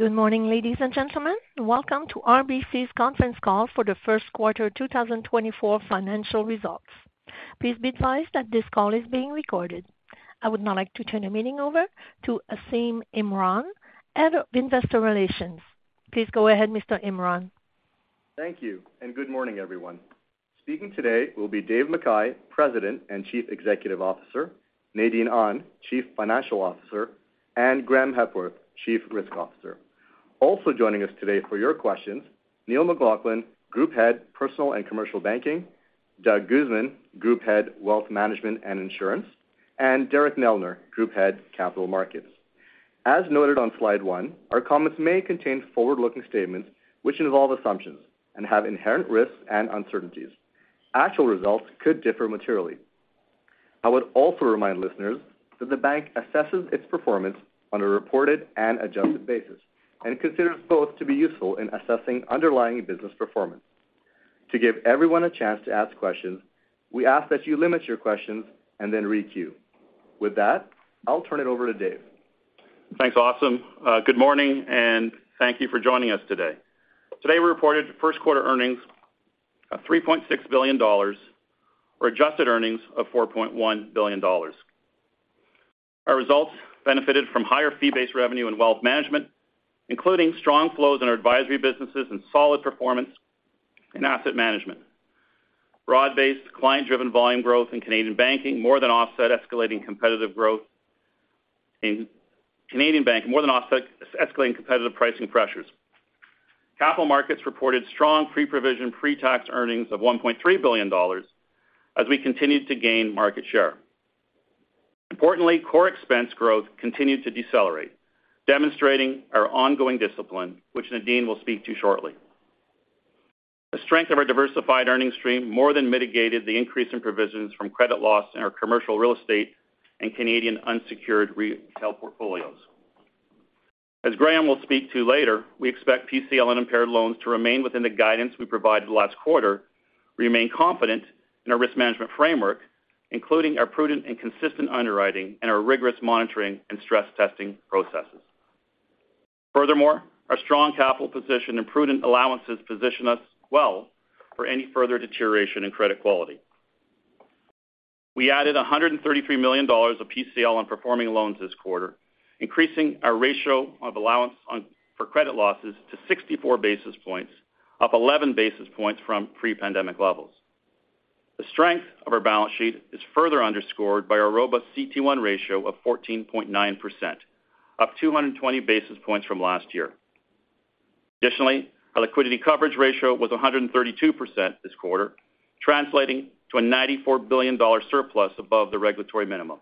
Good morning, ladies and gentlemen. Welcome to RBC's conference call for the first quarter 2024 financial results. Please be advised that this call is being recorded. I would now like to turn the meeting over to Asim Imran, Head of Investor Relations. Please go ahead, Mr. Imran. Thank you, and good morning, everyone. Speaking today will be Dave McKay, President and Chief Executive Officer; Nadine Ahn, Chief Financial Officer; and Graeme Hepworth, Chief Risk Officer. Also joining us today for your questions: Neil McLaughlin, Group Head Personal and Commercial Banking; Doug Guzman, Group Head Wealth Management and Insurance; and Derek Neldner, Group Head Capital Markets. As noted on slide 1, our comments may contain forward-looking statements which involve assumptions and have inherent risks and uncertainties. Actual results could differ materially. I would also remind listeners that the bank assesses its performance on a reported and adjusted basis and considers both to be useful in assessing underlying business performance. To give everyone a chance to ask questions, we ask that you limit your questions and then re-queue. With that, I'll turn it over to Dave. Thanks, Asim. Good morning, and thank you for joining us today. Today we reported first quarter earnings of 3.6 billion dollars or adjusted earnings of 4.1 billion dollars. Our results benefited from higher fee-based revenue and wealth management, including strong flows in our advisory businesses and solid performance in asset management. Broad-based, client-driven volume growth in Canadian banking more than offset escalating competitive growth in Canadian bank. More than offset escalating competitive pricing pressures. Capital Markets reported strong pre-provision pre-tax earnings of 1.3 billion dollars as we continued to gain market share. Importantly, core expense growth continued to decelerate, demonstrating our ongoing discipline, which Nadine will speak to shortly. The strength of our diversified earnings stream more than mitigated the increase in provisions from credit loss in our commercial real estate and Canadian unsecured retail portfolios. As Graeme will speak to later, we expect PCL and impaired loans to remain within the guidance we provided last quarter, remain confident in our risk management framework, including our prudent and consistent underwriting and our rigorous monitoring and stress testing processes. Furthermore, our strong capital position and prudent allowances position us well for any further deterioration in credit quality. We added 133 million dollars of PCL and performing loans this quarter, increasing our ratio of allowance for credit losses to 64 basis points, up 11 basis points from pre-pandemic levels. The strength of our balance sheet is further underscored by our robust CET1 ratio of 14.9%, up 220 basis points from last year. Additionally, our liquidity coverage ratio was 132% this quarter, translating to a 94 billion dollar surplus above the regulatory minimum.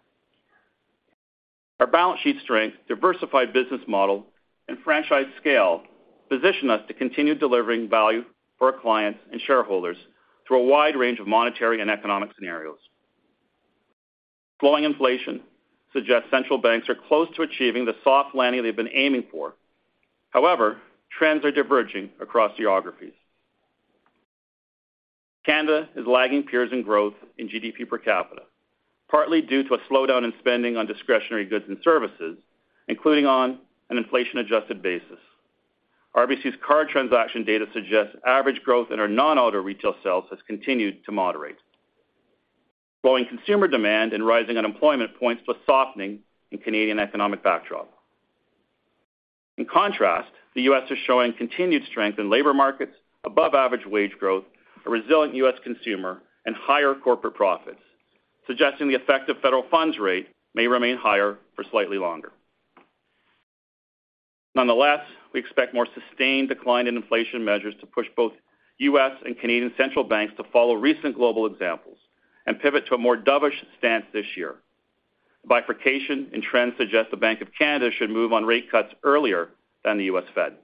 Our balance sheet strength, diversified business model, and franchise scale position us to continue delivering value for our clients and shareholders through a wide range of monetary and economic scenarios. Slowing inflation suggests central banks are close to achieving the soft landing they've been aiming for. However, trends are diverging across geographies. Canada is lagging peers in growth in GDP per capita, partly due to a slowdown in spending on discretionary goods and services, including on an inflation-adjusted basis. RBC's card transaction data suggests average growth in our non-auto retail sales has continued to moderate. Growing consumer demand and rising unemployment points to a softening in Canadian economic backdrop. In contrast, the U.S. is showing continued strength in labor markets above average wage growth, a resilient U.S. consumer, and higher corporate profits, suggesting the effective federal funds rate may remain higher for slightly longer. Nonetheless, we expect more sustained decline in inflation measures to push both U.S. and Canadian central banks to follow recent global examples and pivot to a more dovish stance this year. The bifurcation in trends suggests the Bank of Canada should move on rate cuts earlier than the U.S. Fed.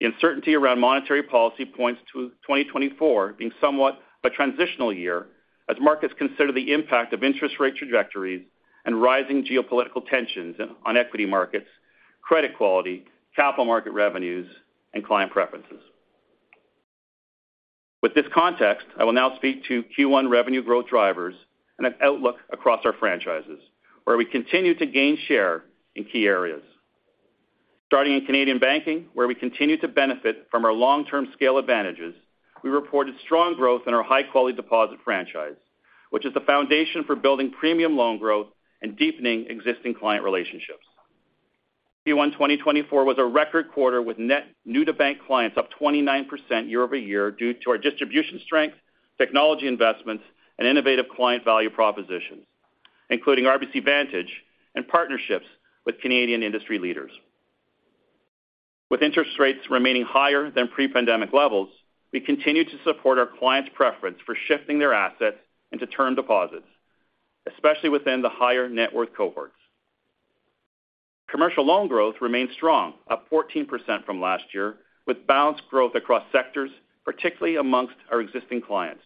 The uncertainty around monetary policy points to 2024 being somewhat a transitional year as markets consider the impact of interest rate trajectories and rising geopolitical tensions on equity markets, credit quality, capital market revenues, and client preferences. With this context, I will now speak to Q1 revenue growth drivers and an outlook across our franchises, where we continue to gain share in key areas. Starting in Canadian banking, where we continue to benefit from our long-term scale advantages, we reported strong growth in our high-quality deposit franchise, which is the foundation for building premium loan growth and deepening existing client relationships. Q1 2024 was a record quarter with net new-to-bank clients up 29% year-over-year due to our distribution strength, technology investments, and innovative client value propositions, including RBC Vantage and partnerships with Canadian industry leaders. With interest rates remaining higher than pre-pandemic levels, we continue to support our clients' preference for shifting their assets into term deposits, especially within the higher net worth cohorts. Commercial loan growth remains strong, up 14% from last year, with balanced growth across sectors, particularly amongst our existing clients.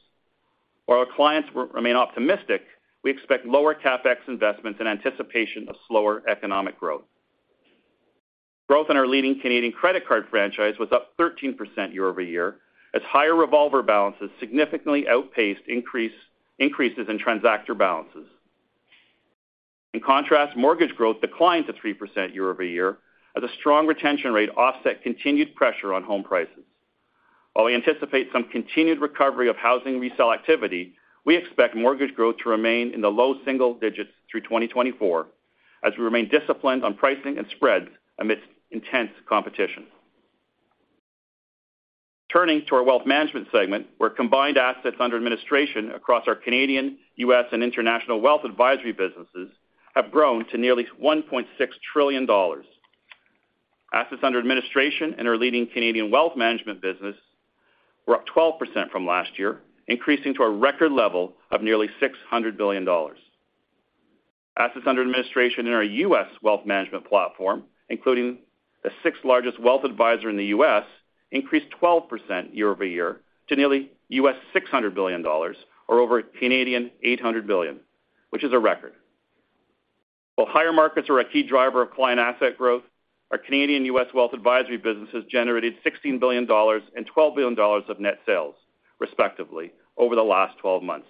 While our clients remain optimistic, we expect lower CapEx investments in anticipation of slower economic growth. Growth in our leading Canadian credit card franchise was up 13% year-over-year as higher revolver balances significantly outpaced increases in transactor balances. In contrast, mortgage growth declined to 3% year-over-year as a strong retention rate offset continued pressure on home prices. While we anticipate some continued recovery of housing resale activity, we expect mortgage growth to remain in the low single digits through 2024 as we remain disciplined on pricing and spreads amidst intense competition. Turning to our wealth management segment, where combined assets under administration across our Canadian, U.S., and international wealth advisory businesses have grown to nearly 1.6 trillion dollars. Assets under administration in our leading Canadian wealth management business were up 12% from last year, increasing to a record level of nearly 600 billion dollars. Assets under administration in our U.S. wealth management platform, including the sixth largest wealth advisor in the U.S., increased 12% year-over-year to nearly $600 billion or over 800 billion Canadian dollars, which is a record. While higher markets are a key driver of client asset growth, our Canadian and U.S. wealth advisory businesses generated 16 billion dollars and $12 billion of net sales, respectively, over the last 12 months.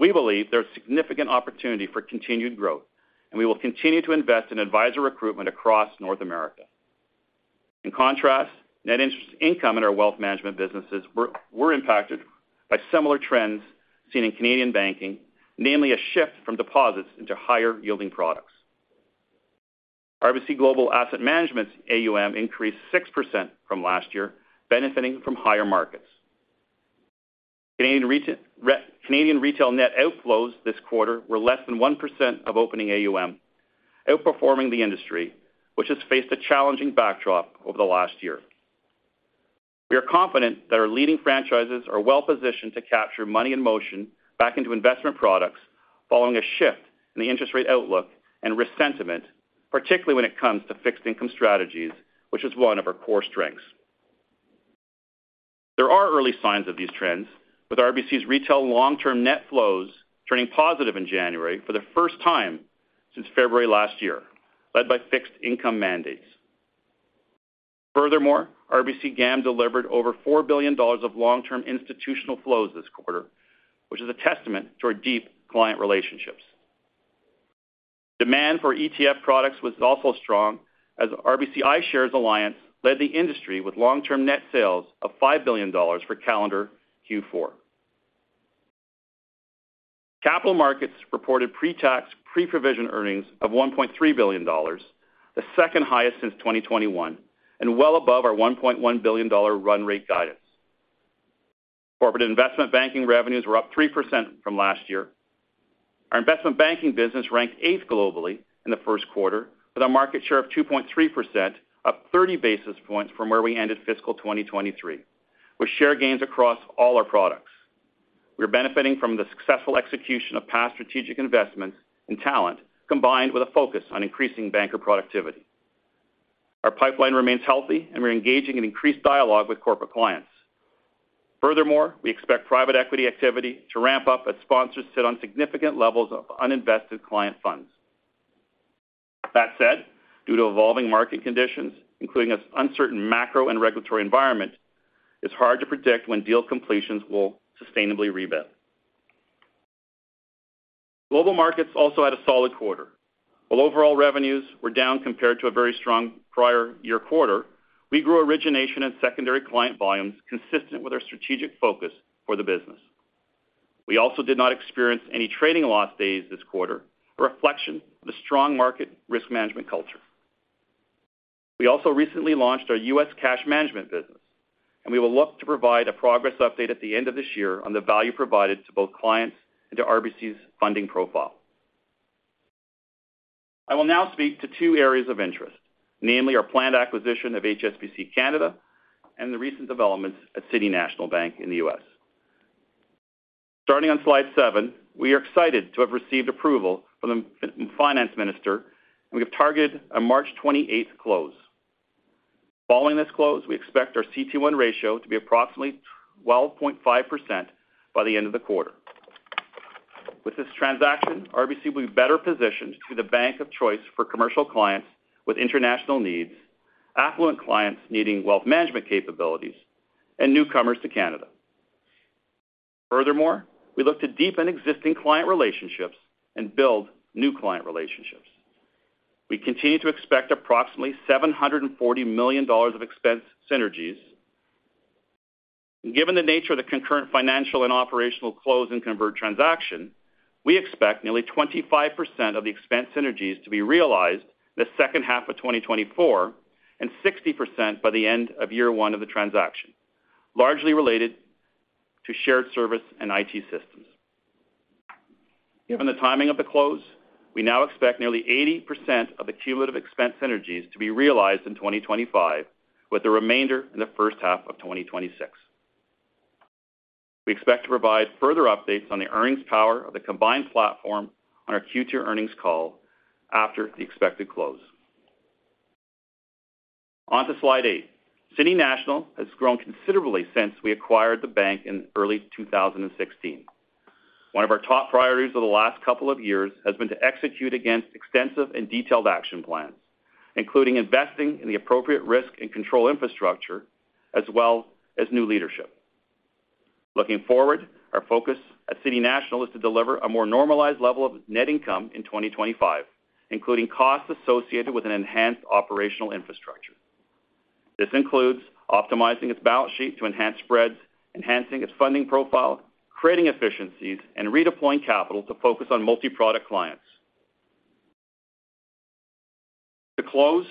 We believe there is significant opportunity for continued growth, and we will continue to invest in advisor recruitment across North America. In contrast, net income in our wealth management businesses were impacted by similar trends seen in Canadian banking, namely a shift from deposits into higher yielding products. RBC Global Asset Management's AUM increased 6% from last year, benefiting from higher markets. Canadian retail net outflows this quarter were less than 1% of opening AUM, outperforming the industry, which has faced a challenging backdrop over the last year. We are confident that our leading franchises are well positioned to capture money in motion back into investment products following a shift in the interest rate outlook and sentiment, particularly when it comes to fixed income strategies, which is one of our core strengths. There are early signs of these trends, with RBC's retail long-term net flows turning positive in January for the first time since February last year, led by fixed income mandates. Furthermore, RBC GAM delivered over 4 billion dollars of long-term institutional flows this quarter, which is a testament to our deep client relationships. Demand for ETF products was also strong as RBC iShares Alliance led the industry with long-term net sales of 5 billion dollars for calendar Q4. Capital Markets reported pre-tax pre-provision earnings of 1.3 billion dollars, the second highest since 2021 and well above our 1.1 billion dollar run rate guidance. Corporate investment banking revenues were up 3% from last year. Our investment banking business ranked eighth globally in the first quarter with a market share of 2.3%, up 30 basis points from where we ended fiscal 2023, with share gains across all our products. We are benefiting from the successful execution of past strategic investments in talent, combined with a focus on increasing banker productivity. Our pipeline remains healthy, and we're engaging in increased dialogue with corporate clients. Furthermore, we expect Private Equity activity to ramp up as sponsors sit on significant levels of uninvested client funds. That said, due to evolving market conditions, including an uncertain macro and regulatory environment, it's hard to predict when deal completions will sustainably rebuild. Global markets also had a solid quarter. While overall revenues were down compared to a very strong prior year quarter, we grew origination and secondary client volumes consistent with our strategic focus for the business. We also did not experience any trading loss days this quarter, a reflection of the strong market risk management culture. We also recently launched our U.S. cash management business, and we will look to provide a progress update at the end of this year on the value provided to both clients and to RBC's funding profile. I will now speak to two areas of interest, namely our planned acquisition of HSBC Canada and the recent developments at City National Bank in the U.S. Starting on slide 7, we are excited to have received approval from the Finance Minister, and we have targeted a March 28th close. Following this close, we expect our CET1 ratio to be approximately 12.5% by the end of the quarter. With this transaction, RBC will be better positioned to be the bank of choice for commercial clients with international needs, affluent clients needing wealth management capabilities, and newcomers to Canada. Furthermore, we look to deepen existing client relationships and build new client relationships. We continue to expect approximately 740 million dollars of expense synergies. Given the nature of the concurrent financial and operational close and convert transaction, we expect nearly 25% of the expense synergies to be realized in the second half of 2024 and 60% by the end of year one of the transaction, largely related to shared service and IT systems. Given the timing of the close, we now expect nearly 80% of the cumulative expense synergies to be realized in 2025, with the remainder in the first half of 2026. We expect to provide further updates on the earnings power of the combined platform on our Q2 earnings call after the expected close. Onto slide 8. City National has grown considerably since we acquired the bank in early 2016. One of our top priorities of the last couple of years has been to execute against extensive and detailed action plans, including investing in the appropriate risk and control infrastructure as well as new leadership. Looking forward, our focus at City National is to deliver a more normalized level of net income in 2025, including costs associated with an enhanced operational infrastructure. This includes optimizing its balance sheet to enhance spreads, enhancing its funding profile, creating efficiencies, and redeploying capital to focus on multi-product clients. To close,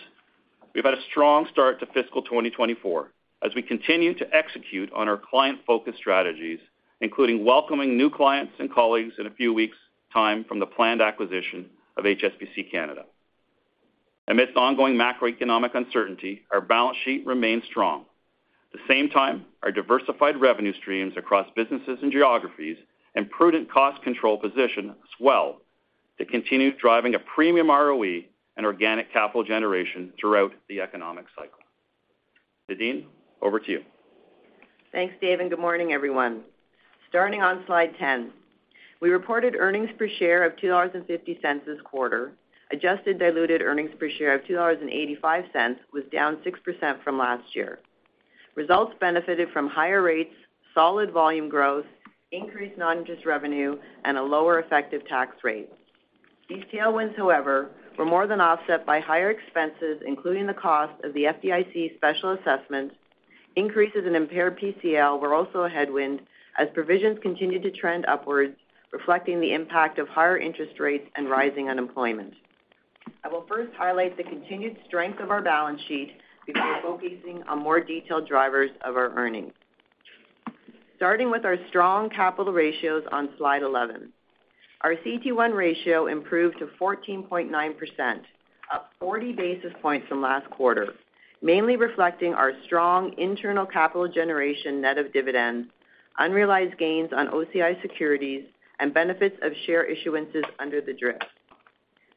we've had a strong start to fiscal 2024 as we continue to execute on our client-focused strategies, including welcoming new clients and colleagues in a few weeks' time from the planned acquisition of HSBC Canada. Amidst ongoing macroeconomic uncertainty, our balance sheet remains strong. At the same time, our diversified revenue streams across businesses and geographies and prudent cost control position as well to continue driving a premium ROE and organic capital generation throughout the economic cycle. Nadine, over to you. Thanks, Dave, and good morning, everyone. Starting on slide 10, we reported earnings per share of 2.50 dollars this quarter. Adjusted diluted earnings per share of 2.85 dollars was down 6% from last year. Results benefited from higher rates, solid volume growth, increased non-interest revenue, and a lower effective tax rate. These tailwinds, however, were more than offset by higher expenses, including the cost of the FDIC special assessment. Increases in impaired PCL were also a headwind as provisions continued to trend upwards, reflecting the impact of higher interest rates and rising unemployment. I will first highlight the continued strength of our balance sheet before focusing on more detailed drivers of our earnings. Starting with our strong capital ratios on slide 11, our CET1 ratio improved to 14.9%, up 40 basis points from last quarter, mainly reflecting our strong internal capital generation net of dividends, unrealized gains on OCI securities, and benefits of share issuances under the DRIP.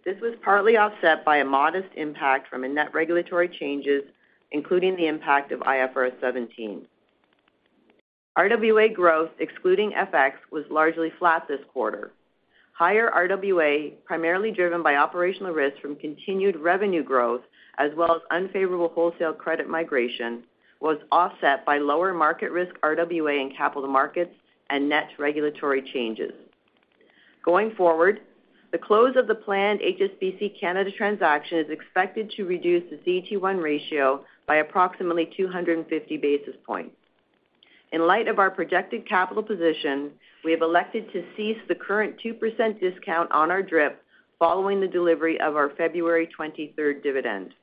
This was partly offset by a modest impact from net regulatory changes, including the impact of IFRS 17. RWA growth, excluding FX, was largely flat this quarter. Higher RWA, primarily driven by operational risk from continued revenue growth as well as unfavorable wholesale credit migration, was offset by lower market risk RWA in capital markets and net regulatory changes. Going forward, the close of the planned HSBC Canada transaction is expected to reduce the CET1 ratio by approximately 250 basis points. In light of our projected capital position, we have elected to cease the current 2% discount on our DRIP following the delivery of our February 23rd dividend.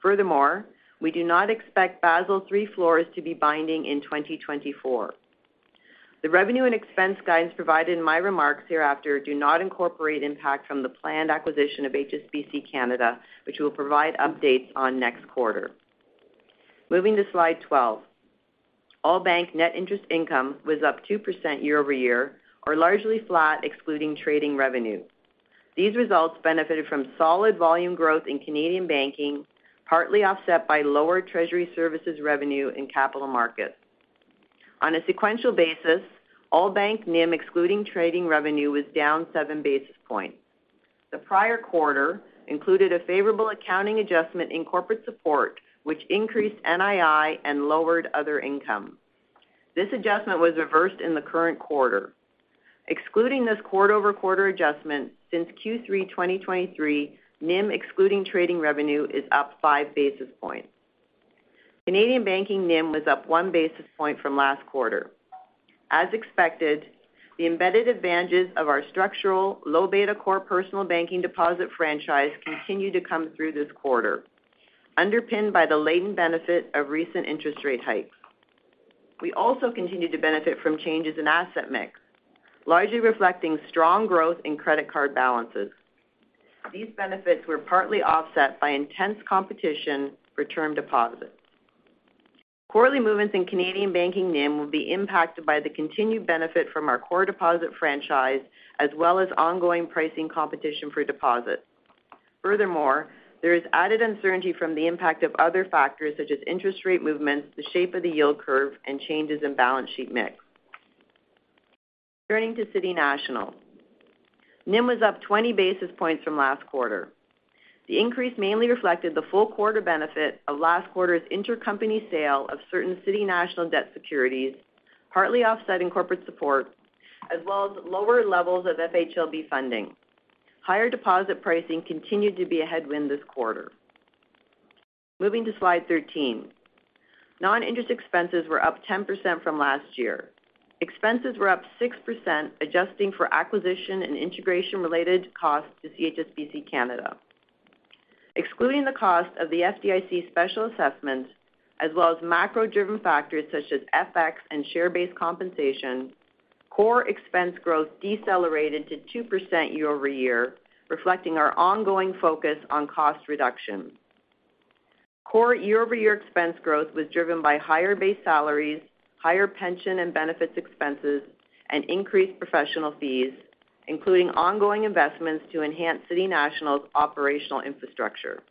Furthermore, we do not expect Basel III floors to be binding in 2024. The revenue and expense guidance provided in my remarks hereafter do not incorporate impact from the planned acquisition of HSBC Canada, which we will provide updates on next quarter. Moving to slide 12, all bank net interest income was up 2% year over year or largely flat, excluding trading revenue. These results benefited from solid volume growth in Canadian banking, partly offset by lower Treasury Services revenue in capital markets. On a sequential basis, all bank NIM, excluding trading revenue, was down 7 basis points. The prior quarter included a favorable accounting adjustment in corporate support, which increased NII and lowered other income. This adjustment was reversed in the current quarter. Excluding this quarter-over-quarter adjustment, since Q3 2023, NIM, excluding trading revenue, is up 5 basis points. Canadian banking NIM was up 1 basis point from last quarter. As expected, the embedded advantages of our structural low beta core personal banking deposit franchise continue to come through this quarter, underpinned by the latent benefit of recent interest rate hikes. We also continue to benefit from changes in asset mix, largely reflecting strong growth in credit card balances. These benefits were partly offset by intense competition for term deposits. Quarterly movements in Canadian banking NIM will be impacted by the continued benefit from our core deposit franchise as well as ongoing pricing competition for deposits. Furthermore, there is added uncertainty from the impact of other factors such as interest rate movements, the shape of the yield curve, and changes in balance sheet mix. Turning to City National, NIM was up 20 basis points from last quarter. The increase mainly reflected the full quarter benefit of last quarter's intercompany sale of certain City National debt securities, partly offsetting corporate support, as well as lower levels of FHLB funding. Higher deposit pricing continued to be a headwind this quarter. Moving to slide 13, non-interest expenses were up 10% from last year. Expenses were up 6%, adjusting for acquisition and integration-related costs to HSBC Canada. Excluding the cost of the FDIC special assessment, as well as macro-driven factors such as FX and share-based compensation, core expense growth decelerated to 2% year-over-year, reflecting our ongoing focus on cost reduction. Core year-over-year expense growth was driven by higher base salaries, higher pension and benefits expenses, and increased professional fees, including ongoing investments to enhance City National's operational infrastructure.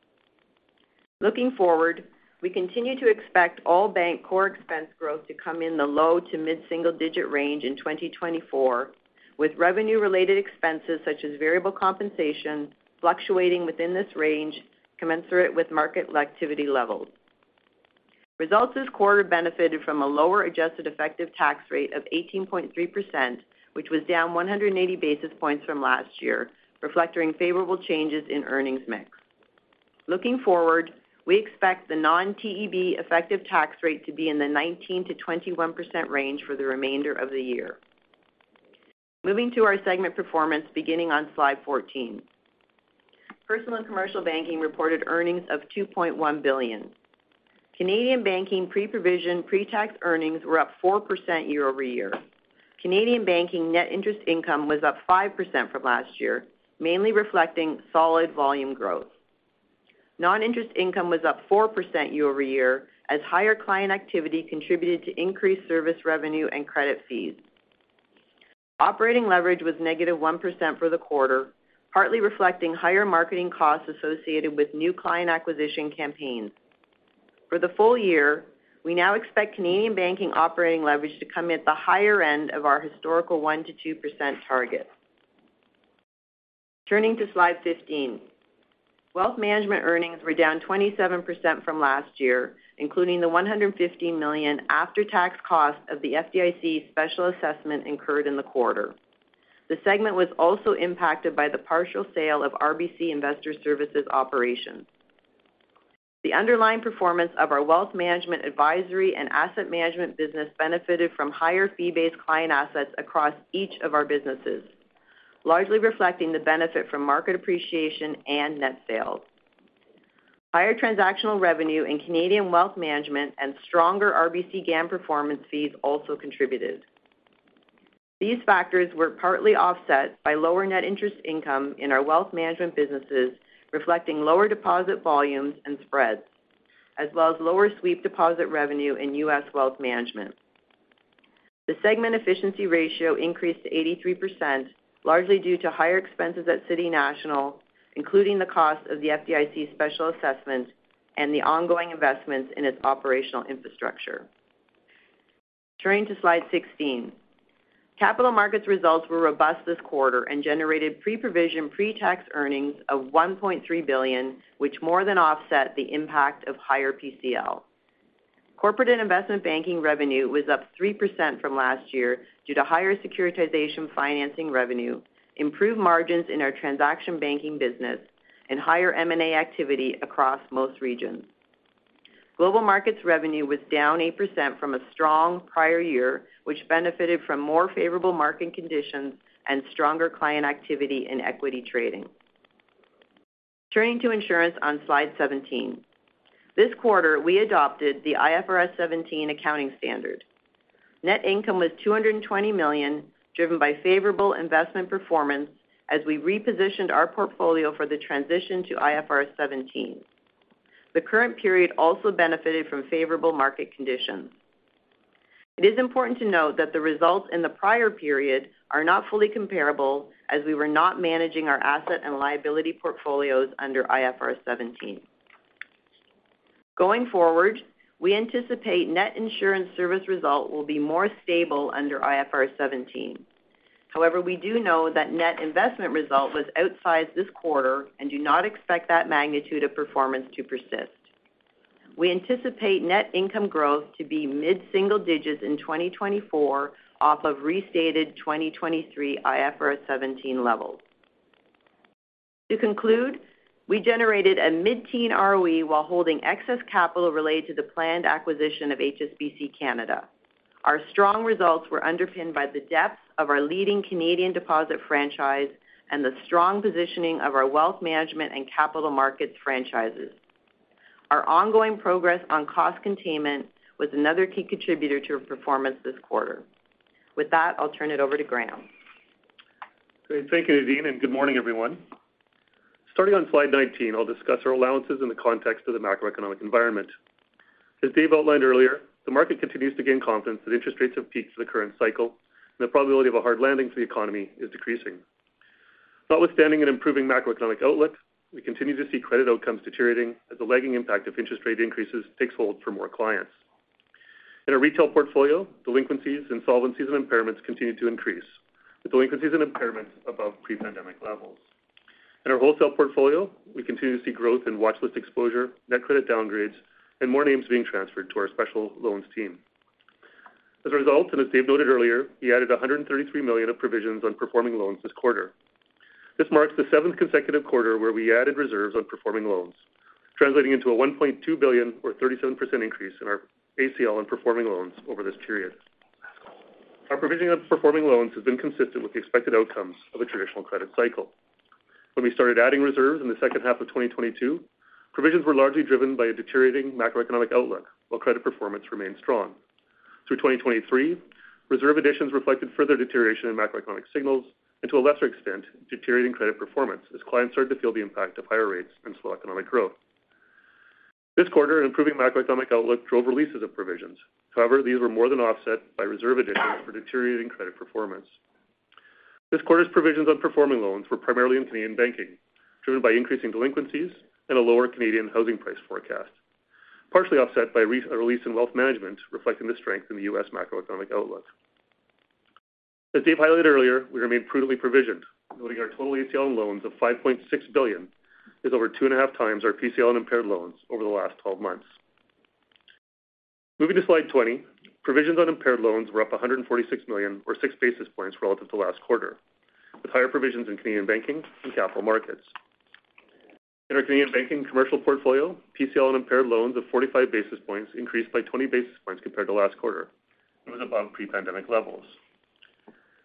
Looking forward, we continue to expect all bank core expense growth to come in the low to mid-single digit range in 2024, with revenue-related expenses such as variable compensation fluctuating within this range, commensurate with market activity levels. Results this quarter benefited from a lower adjusted effective tax rate of 18.3%, which was down 180 basis points from last year, reflecting favorable changes in earnings mix. Looking forward, we expect the non-TEB effective tax rate to be in the 19%-21% range for the remainder of the year. Moving to our segment performance beginning on slide 14, personal and commercial banking reported earnings of 2.1 billion Canadian dollars. Canadian banking pre-provision pre-tax earnings were up 4% year-over-year. Canadian banking net interest income was up 5% from last year, mainly reflecting solid volume growth. Non-interest income was up 4% year-over-year as higher client activity contributed to increased service revenue and credit fees. Operating leverage was -1% for the quarter, partly reflecting higher marketing costs associated with new client acquisition campaigns. For the full year, we now expect Canadian banking operating leverage to come at the higher end of our historical 1%-2% target. Turning to slide 15, wealth management earnings were down 27% from last year, including the 115 million after-tax cost of the FDIC special assessment incurred in the quarter. The segment was also impacted by the partial sale of RBC Investor Services operations. The underlying performance of our wealth management advisory and asset management business benefited from higher fee-based client assets across each of our businesses, largely reflecting the benefit from market appreciation and net sales. Higher transactional revenue in Canadian wealth management and stronger RBC GAM performance fees also contributed. These factors were partly offset by lower net interest income in our wealth management businesses, reflecting lower deposit volumes and spreads, as well as lower sweep deposit revenue in U.S. wealth management. The segment efficiency ratio increased to 83%, largely due to higher expenses at City National, including the cost of the FDIC special assessment and the ongoing investments in its operational infrastructure. Turning to slide 16, capital markets results were robust this quarter and generated pre-provision pre-tax earnings of 1.3 billion, which more than offset the impact of higher PCL. Corporate and investment banking revenue was up 3% from last year due to higher securitization financing revenue, improved margins in our transaction banking business, and higher M&A activity across most regions. Global markets revenue was down 8% from a strong prior year, which benefited from more favorable market conditions and stronger client activity in equity trading. Turning to insurance on slide 17, this quarter we adopted the IFRS 17 accounting standard. Net income was 220 million, driven by favorable investment performance as we repositioned our portfolio for the transition to IFRS 17. The current period also benefited from favorable market conditions. It is important to note that the results in the prior period are not fully comparable as we were not managing our asset and liability portfolios under IFRS 17. Going forward, we anticipate net insurance service result will be more stable under IFRS 17. However, we do know that net investment result was outsized this quarter and do not expect that magnitude of performance to persist. We anticipate net income growth to be mid-single digits in 2024 off of restated 2023 IFRS 17 levels. To conclude, we generated a mid-teen ROE while holding excess capital related to the planned acquisition of HSBC Canada. Our strong results were underpinned by the depth of our leading Canadian deposit franchise and the strong positioning of our wealth management and capital markets franchises. Our ongoing progress on cost containment was another key contributor to our performance this quarter. With that, I'll turn it over to Graeme. Great. Thank you, Nadine, and good morning, everyone. Starting on slide 19, I'll discuss our allowances in the context of the macroeconomic environment. As Dave outlined earlier, the market continues to gain confidence that interest rates have peaked for the current cycle, and the probability of a hard landing for the economy is decreasing. Notwithstanding an improving macroeconomic outlook, we continue to see credit outcomes deteriorating as the lagging impact of interest rate increases takes hold for more clients. In our retail portfolio, delinquencies, insolvencies, and impairments continue to increase, with delinquencies and impairments above pre-pandemic levels. In our wholesale portfolio, we continue to see growth in watchlist exposure, net credit downgrades, and more names being transferred to our special loans team. As a result, and as Dave noted earlier, he added 133 million of provisions on performing loans this quarter. This marks the seventh consecutive quarter where we added reserves on performing loans, translating into a 1.2 billion or 37% increase in our ACL on performing loans over this period. Our provisioning of performing loans has been consistent with the expected outcomes of a traditional credit cycle. When we started adding reserves in the second half of 2022, provisions were largely driven by a deteriorating macroeconomic outlook while credit performance remained strong. Through 2023, reserve additions reflected further deterioration in macroeconomic signals and, to a lesser extent, deteriorating credit performance as clients started to feel the impact of higher rates and slow economic growth. This quarter, an improving macroeconomic outlook drove releases of provisions. However, these were more than offset by reserve additions for deteriorating credit performance. This quarter's provisions on performing loans were primarily in Canadian banking, driven by increasing delinquencies and a lower Canadian housing price forecast, partially offset by a release in wealth management reflecting the strength in the U.S. macroeconomic outlook. As Dave highlighted earlier, we remained prudently provisioned, noting our total ACL on loans of 5.6 billion is over 2.5x our PCL on impaired loans over the last 12 months. Moving to slide 20, provisions on impaired loans were up 146 million or 6 basis points relative to last quarter, with higher provisions in Canadian banking and capital markets. In our Canadian banking commercial portfolio, PCL on impaired loans of 45 basis points increased by 20 basis points compared to last quarter. It was above pre-pandemic levels.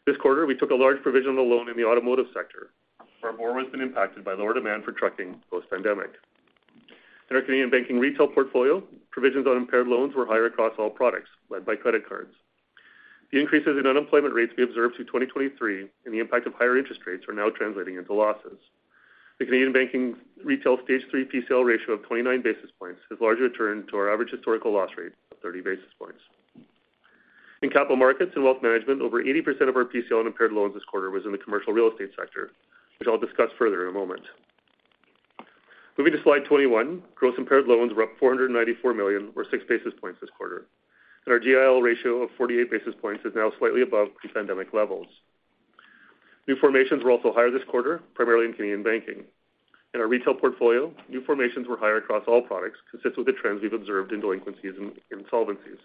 This quarter, we took a large provision on a loan in the automotive sector, where more has been impacted by lower demand for trucking post-pandemic. In our Canadian banking retail portfolio, provisions on impaired loans were higher across all products, led by credit cards. The increases in unemployment rates we observed through 2023 and the impact of higher interest rates are now translating into losses. The Canadian Banking retail Stage 3 PCL ratio of 29 basis points has largely returned to our average historical loss rate of 30 basis points. In Capital Markets and Wealth Management, over 80% of our PCL on impaired loans this quarter was in the commercial real estate sector, which I'll discuss further in a moment. Moving to slide 21, gross impaired loans were up 494 million or 6 basis points this quarter. Our GIL ratio of 48 basis points is now slightly above pre-pandemic levels. New formations were also higher this quarter, primarily in Canadian Banking. In our retail portfolio, new formations were higher across all products, consistent with the trends we've observed in delinquencies and insolvencies.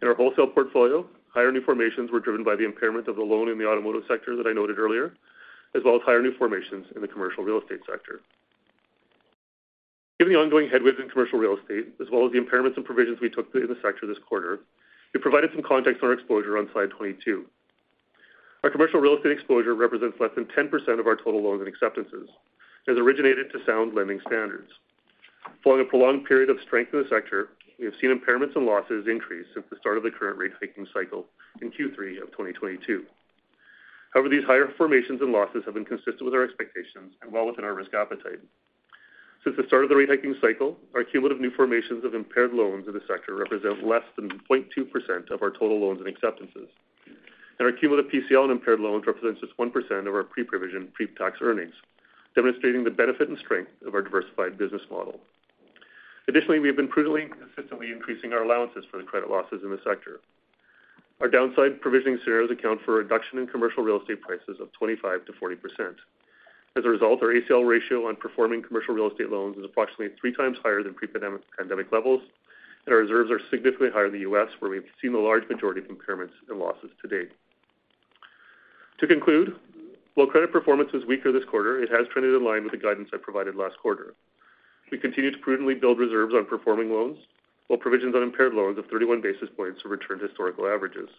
In our wholesale portfolio, higher new formations were driven by the impairment of the loan in the automotive sector that I noted earlier, as well as higher new formations in the commercial real estate sector. Given the ongoing headwinds in commercial real estate, as well as the impairments and provisions we took in the sector this quarter, we've provided some context on our exposure on slide 22. Our commercial real estate exposure represents less than 10% of our total loans and acceptances, and has originated to sound lending standards. Following a prolonged period of strength in the sector, we have seen impairments and losses increase since the start of the current rate hiking cycle in Q3 of 2022. However, these higher formations and losses have been consistent with our expectations and well within our risk appetite. Since the start of the rate hiking cycle, our cumulative new formations of impaired loans in the sector represent less than 0.2% of our total loans and acceptances. Our cumulative PCL on impaired loans represents just 1% of our pre-provision pre-tax earnings, demonstrating the benefit and strength of our diversified business model. Additionally, we have been prudently and consistently increasing our allowances for the credit losses in the sector. Our downside provisioning scenarios account for a reduction in commercial real estate prices of 25%-40%. As a result, our ACL ratio on performing commercial real estate loans is approximately 3x higher than pre-pandemic levels, and our reserves are significantly higher in the U.S., where we've seen the large majority of impairments and losses to date. To conclude, while credit performance was weaker this quarter, it has trended in line with the guidance I provided last quarter. We continue to prudently build reserves on performing loans, while provisions on impaired loans of 31 basis points have returned to historical averages.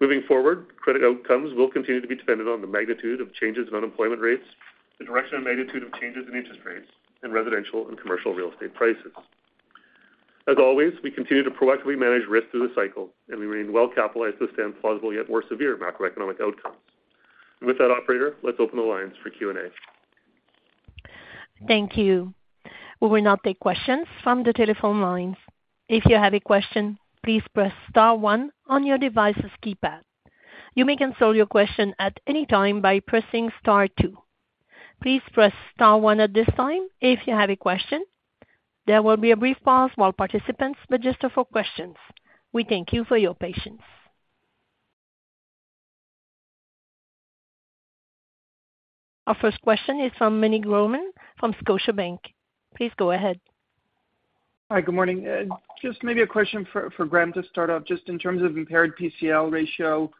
Moving forward, credit outcomes will continue to be dependent on the magnitude of changes in unemployment rates, the direction and magnitude of changes in interest rates, and residential and commercial real estate prices. As always, we continue to proactively manage risk through the cycle, and we remain well capitalized to withstand plausible yet more severe macroeconomic outcomes. And with that, operator, let's open the lines for Q&A. Thank you. We will now take questions from the telephone lines. If you have a question, please press star one on your device's keypad. You may consult your question at any time by pressing star two. Please press star one at this time if you have a question. There will be a brief pause while participants register for questions. We thank you for your patience. Our first question is from Meny Grauman from Scotiabank. Please go ahead. Hi. Good morning. Just maybe a question for Graeme to start off. Just in terms of impaired PCL ratio,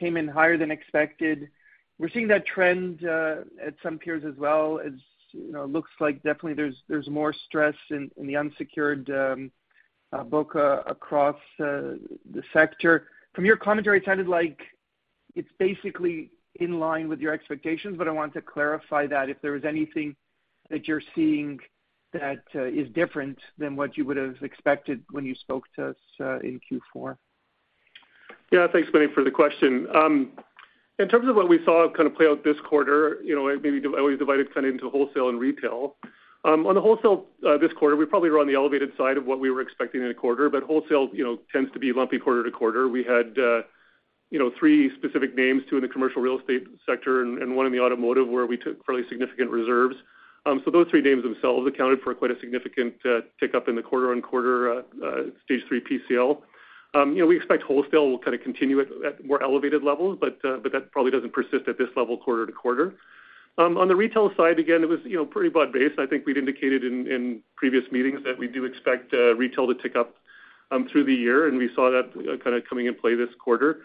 came in higher than expected. We're seeing that trend at some peers as well. It looks like definitely there's more stress in the unsecured book across the sector. From your commentary, it sounded like it's basically in line with your expectations, but I want to clarify that if there was anything that you're seeing that is different than what you would have expected when you spoke to us in Q4. Yeah. Thanks, Meny, for the question. In terms of what we saw kind of play out this quarter, it maybe always divided kind of into wholesale and retail. On the wholesale, this quarter, we probably were on the elevated side of what we were expecting in a quarter, but wholesale tends to be lumpy quarter-to-quarter. We had 3 specific names, 2 in the commercial real estate sector and 1 in the automotive where we took fairly significant reserves. So those 3 names themselves accounted for quite a significant tick up in the quarter-on-quarter Stage 3 PCL. We expect wholesale will kind of continue at more elevated levels, but that probably doesn't persist at this level quarter-to-quarter. On the retail side, again, it was pretty broad-based. I think we'd indicated in previous meetings that we do expect retail to tick up through the year, and we saw that kind of coming into play this quarter.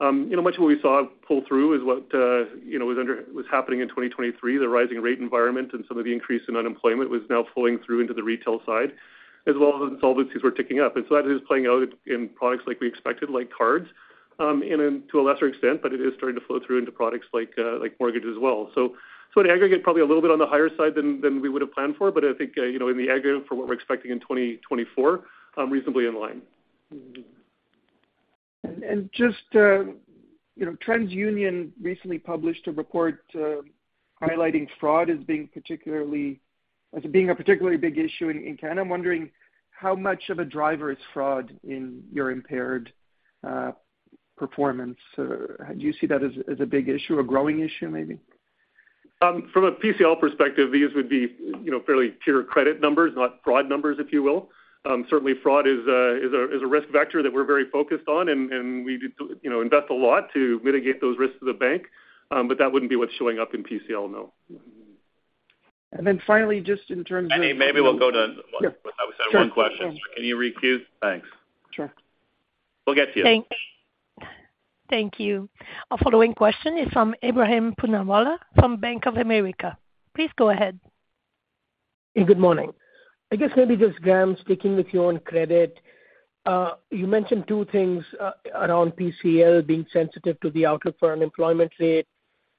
Much of what we saw pull through is what was happening in 2023. The rising rate environment and some of the increase in unemployment was now flowing through into the retail side, as well as insolvencies were ticking up. So that is playing out in products like we expected, like cards, and to a lesser extent, but it is starting to flow through into products like mortgages as well. In aggregate, probably a little bit on the higher side than we would have planned for, but I think in the aggregate for what we're expecting in 2024, reasonably in line. Just TransUnion recently published a report highlighting fraud as being a particularly big issue in Canada. I'm wondering how much of a driver is fraud in your impaired performance? Do you see that as a big issue, a growing issue, maybe? From a PCL perspective, these would be fairly pure credit numbers, not fraud numbers, if you will. Certainly, fraud is a risk factor that we're very focused on, and we invest a lot to mitigate those risks to the bank, but that wouldn't be what's showing up in PCL, no. And then finally, just in terms of. Maybe we'll go to one question. Can you read Q? Thanks. Sure. We'll get to you. Thank you. Our following question is from Ebrahim Poonawala from Bank of America. Please go ahead. Good morning. I guess maybe just Graeme sticking with you on credit. You mentioned two things around PCL being sensitive to the outlook for unemployment rate.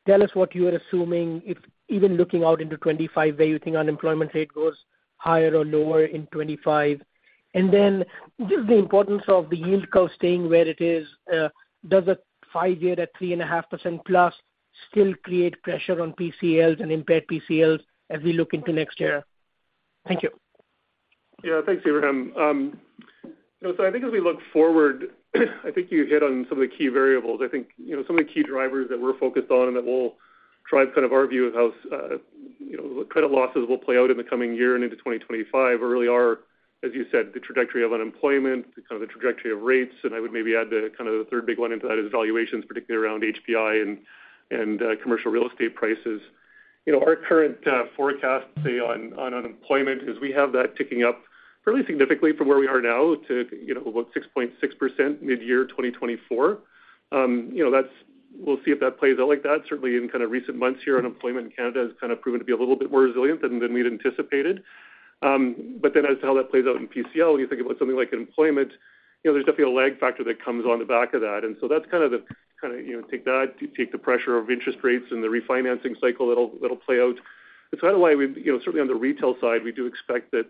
Tell us what you are assuming if even looking out into 2025, where you think unemployment rate goes higher or lower in 2025. And then just the importance of the yield curve staying where it is. Does a 5-year at 3.5%+ still create pressure on PCLs and impaired PCLs as we look into next year? Thank you. Yeah. Thanks, Ibrahim. So I think as we look forward, I think you hit on some of the key variables. I think some of the key drivers that we're focused on and that will drive kind of our view of how credit losses will play out in the coming year and into 2025 really are, as you said, the trajectory of unemployment, kind of the trajectory of rates. And I would maybe add kind of the third big one into that is valuations, particularly around HPI and commercial real estate prices. Our current forecast, say, on unemployment is we have that ticking up fairly significantly from where we are now to about 6.6% mid-year 2024. We'll see if that plays out like that. Certainly, in kind of recent months here, unemployment in Canada has kind of proven to be a little bit more resilient than we'd anticipated. But then as to how that plays out in PCL, when you think about something like unemployment, there's definitely a lag factor that comes on the back of that. And so that's kind of the kind of take that, take the pressure of interest rates and the refinancing cycle that'll play out. It's kind of why we certainly on the retail side, we do expect that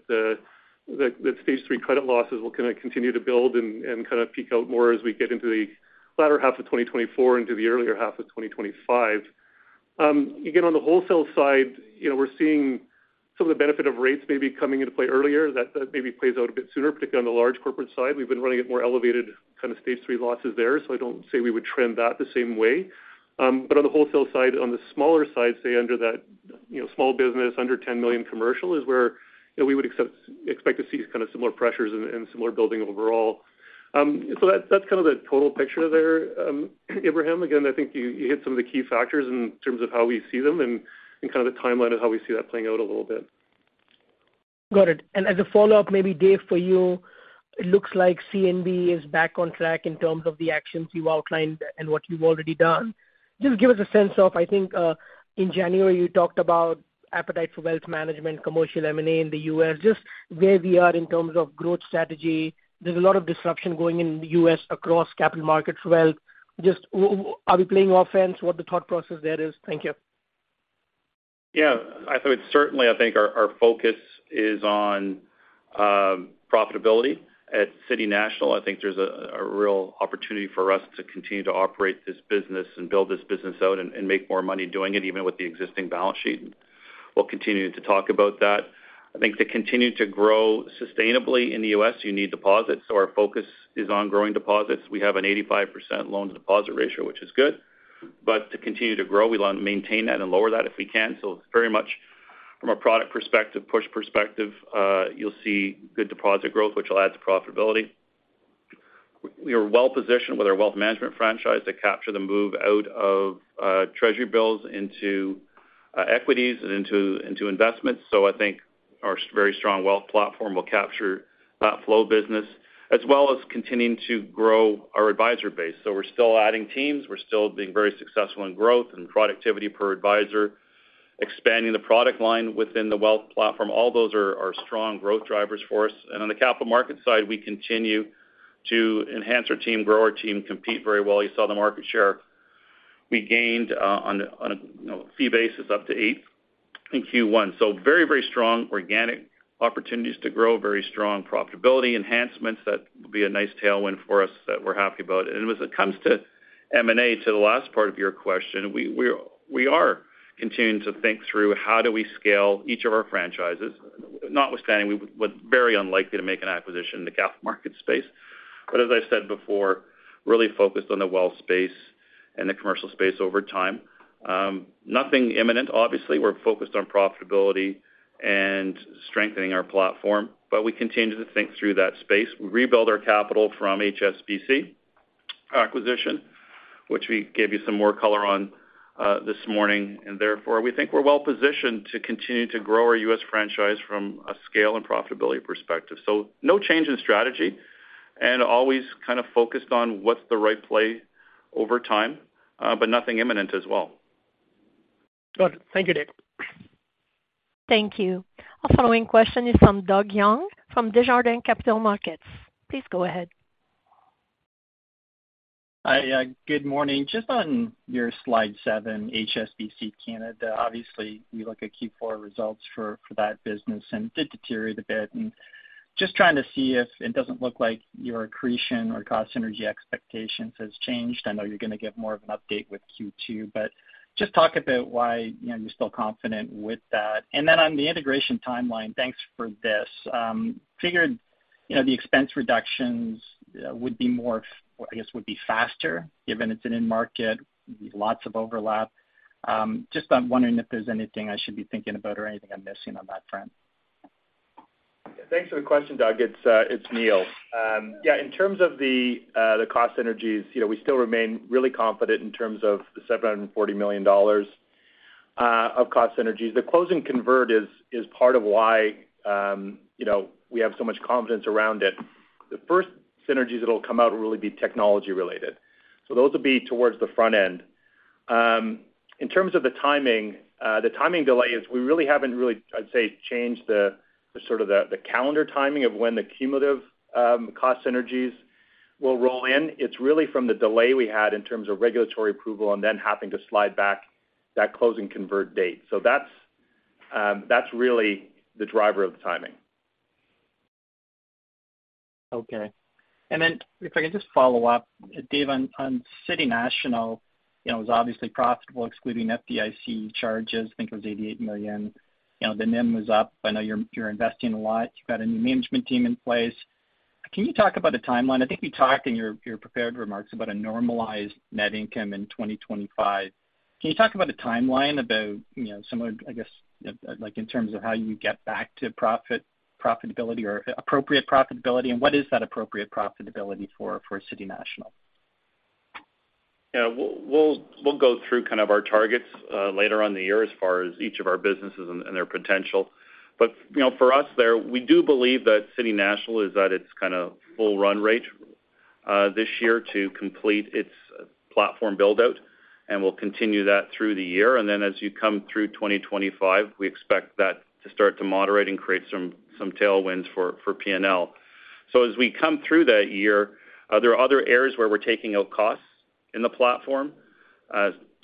Stage 3 credit losses will kind of continue to build and kind of peak out more as we get into the latter half of 2024 and into the earlier half of 2025. Again, on the wholesale side, we're seeing some of the benefit of rates maybe coming into play earlier. That maybe plays out a bit sooner, particularly on the large corporate side. We've been running at more elevated kind of stage three losses there, so I don't say we would trend that the same way. But on the wholesale side, on the smaller side, say, under that small business, under 10 million commercial is where we would expect to see kind of similar pressures and similar building overall. So that's kind of the total picture there, Ebrahim. Again, I think you hit some of the key factors in terms of how we see them and kind of the timeline of how we see that playing out a little bit. Got it. And as a follow-up, maybe, Dave, for you, it looks like CNB is back on track in terms of the actions you've outlined and what you've already done. Just give us a sense of. I think in January, you talked about appetite for wealth management, commercial M&A in the U.S., just where we are in terms of growth strategy. There's a lot of disruption going on in the U.S. across capital markets wealth. Just are we playing offense? What the thought process there is? Thank you. Yeah. I think certainly, I think our focus is on profitability at City National. I think there's a real opportunity for us to continue to operate this business and build this business out and make more money doing it, even with the existing balance sheet. We'll continue to talk about that. I think to continue to grow sustainably in the U.S., you need deposits. So our focus is on growing deposits. We have an 85% loan to deposit ratio, which is good. But to continue to grow, we want to maintain that and lower that if we can. So it's very much from a product perspective, push perspective, you'll see good deposit growth, which will add to profitability. We are well positioned with our wealth management franchise to capture the move out of treasury bills into equities and into investments. So I think our very strong wealth platform will capture that flow business, as well as continuing to grow our advisor base. So we're still adding teams. We're still being very successful in growth and productivity per advisor, expanding the product line within the wealth platform. All those are strong growth drivers for us. And on the capital markets side, we continue to enhance our team, grow our team, compete very well. You saw the market share we gained on a fee basis up to 8 in Q1. So very, very strong organic opportunities to grow, very strong profitability enhancements. That will be a nice tailwind for us that we're happy about. And as it comes to M&A, to the last part of your question, we are continuing to think through how do we scale each of our franchises. Notwithstanding, we're very unlikely to make an acquisition in the capital markets space. But as I've said before, really focused on the wealth space and the commercial space over time. Nothing imminent, obviously. We're focused on profitability and strengthening our platform, but we continue to think through that space. We rebuild our capital from HSBC acquisition, which we gave you some more color on this morning. And therefore, we think we're well positioned to continue to grow our U.S. franchise from a scale and profitability perspective. So no change in strategy and always kind of focused on what's the right play over time, but nothing imminent as well. Got it. Thank you, Dave. Thank you. Our following question is from Doug Young from Desjardins Capital Markets. Please go ahead. Hi. Good morning. Just on your slide 7, HSBC Canada, obviously, we look at Q4 results for that business and it did deteriorate a bit. And just trying to see if it doesn't look like your accretion or cost synergy expectations has changed. I know you're going to give more of an update with Q2, but just talk about why you're still confident with that. And then on the integration timeline, thanks for this. Figured the expense reductions would be more, I guess, would be faster given it's an in-market, lots of overlap. Just wondering if there's anything I should be thinking about or anything I'm missing on that front. Thanks for the question, Doug. It's Neil. Yeah. In terms of the cost synergies, we still remain really confident in terms of the 740 million dollars of cost synergies. The closing date is part of why we have so much confidence around it. The first synergies that will come out will really be technology-related. So those will be towards the front end. In terms of the timing, the timing delay is we really haven't really, I'd say, changed the sort of the calendar timing of when the cumulative cost synergies will roll in. It's really from the delay we had in terms of regulatory approval and then having to slide back that closing date. So that's really the driver of the timing. Okay. And then if I can just follow up, Dave, on City National, it was obviously profitable excluding FDIC charges. I think it was 88 million. The NIM was up. I know you're investing a lot. You've got a new management team in place. Can you talk about a timeline? I think you talked in your prepared remarks about a normalized net income in 2025. Can you talk about a timeline about similar, I guess, in terms of how you get back to profitability or appropriate profitability? And what is that appropriate profitability for City National? Yeah. We'll go through kind of our targets later on the year as far as each of our businesses and their potential. But for us there, we do believe that City National is at its kind of full run rate this year to complete its platform buildout, and we'll continue that through the year. And then as you come through 2025, we expect that to start to moderate and create some tailwinds for P&L. So as we come through that year, there are other areas where we're taking out costs in the platform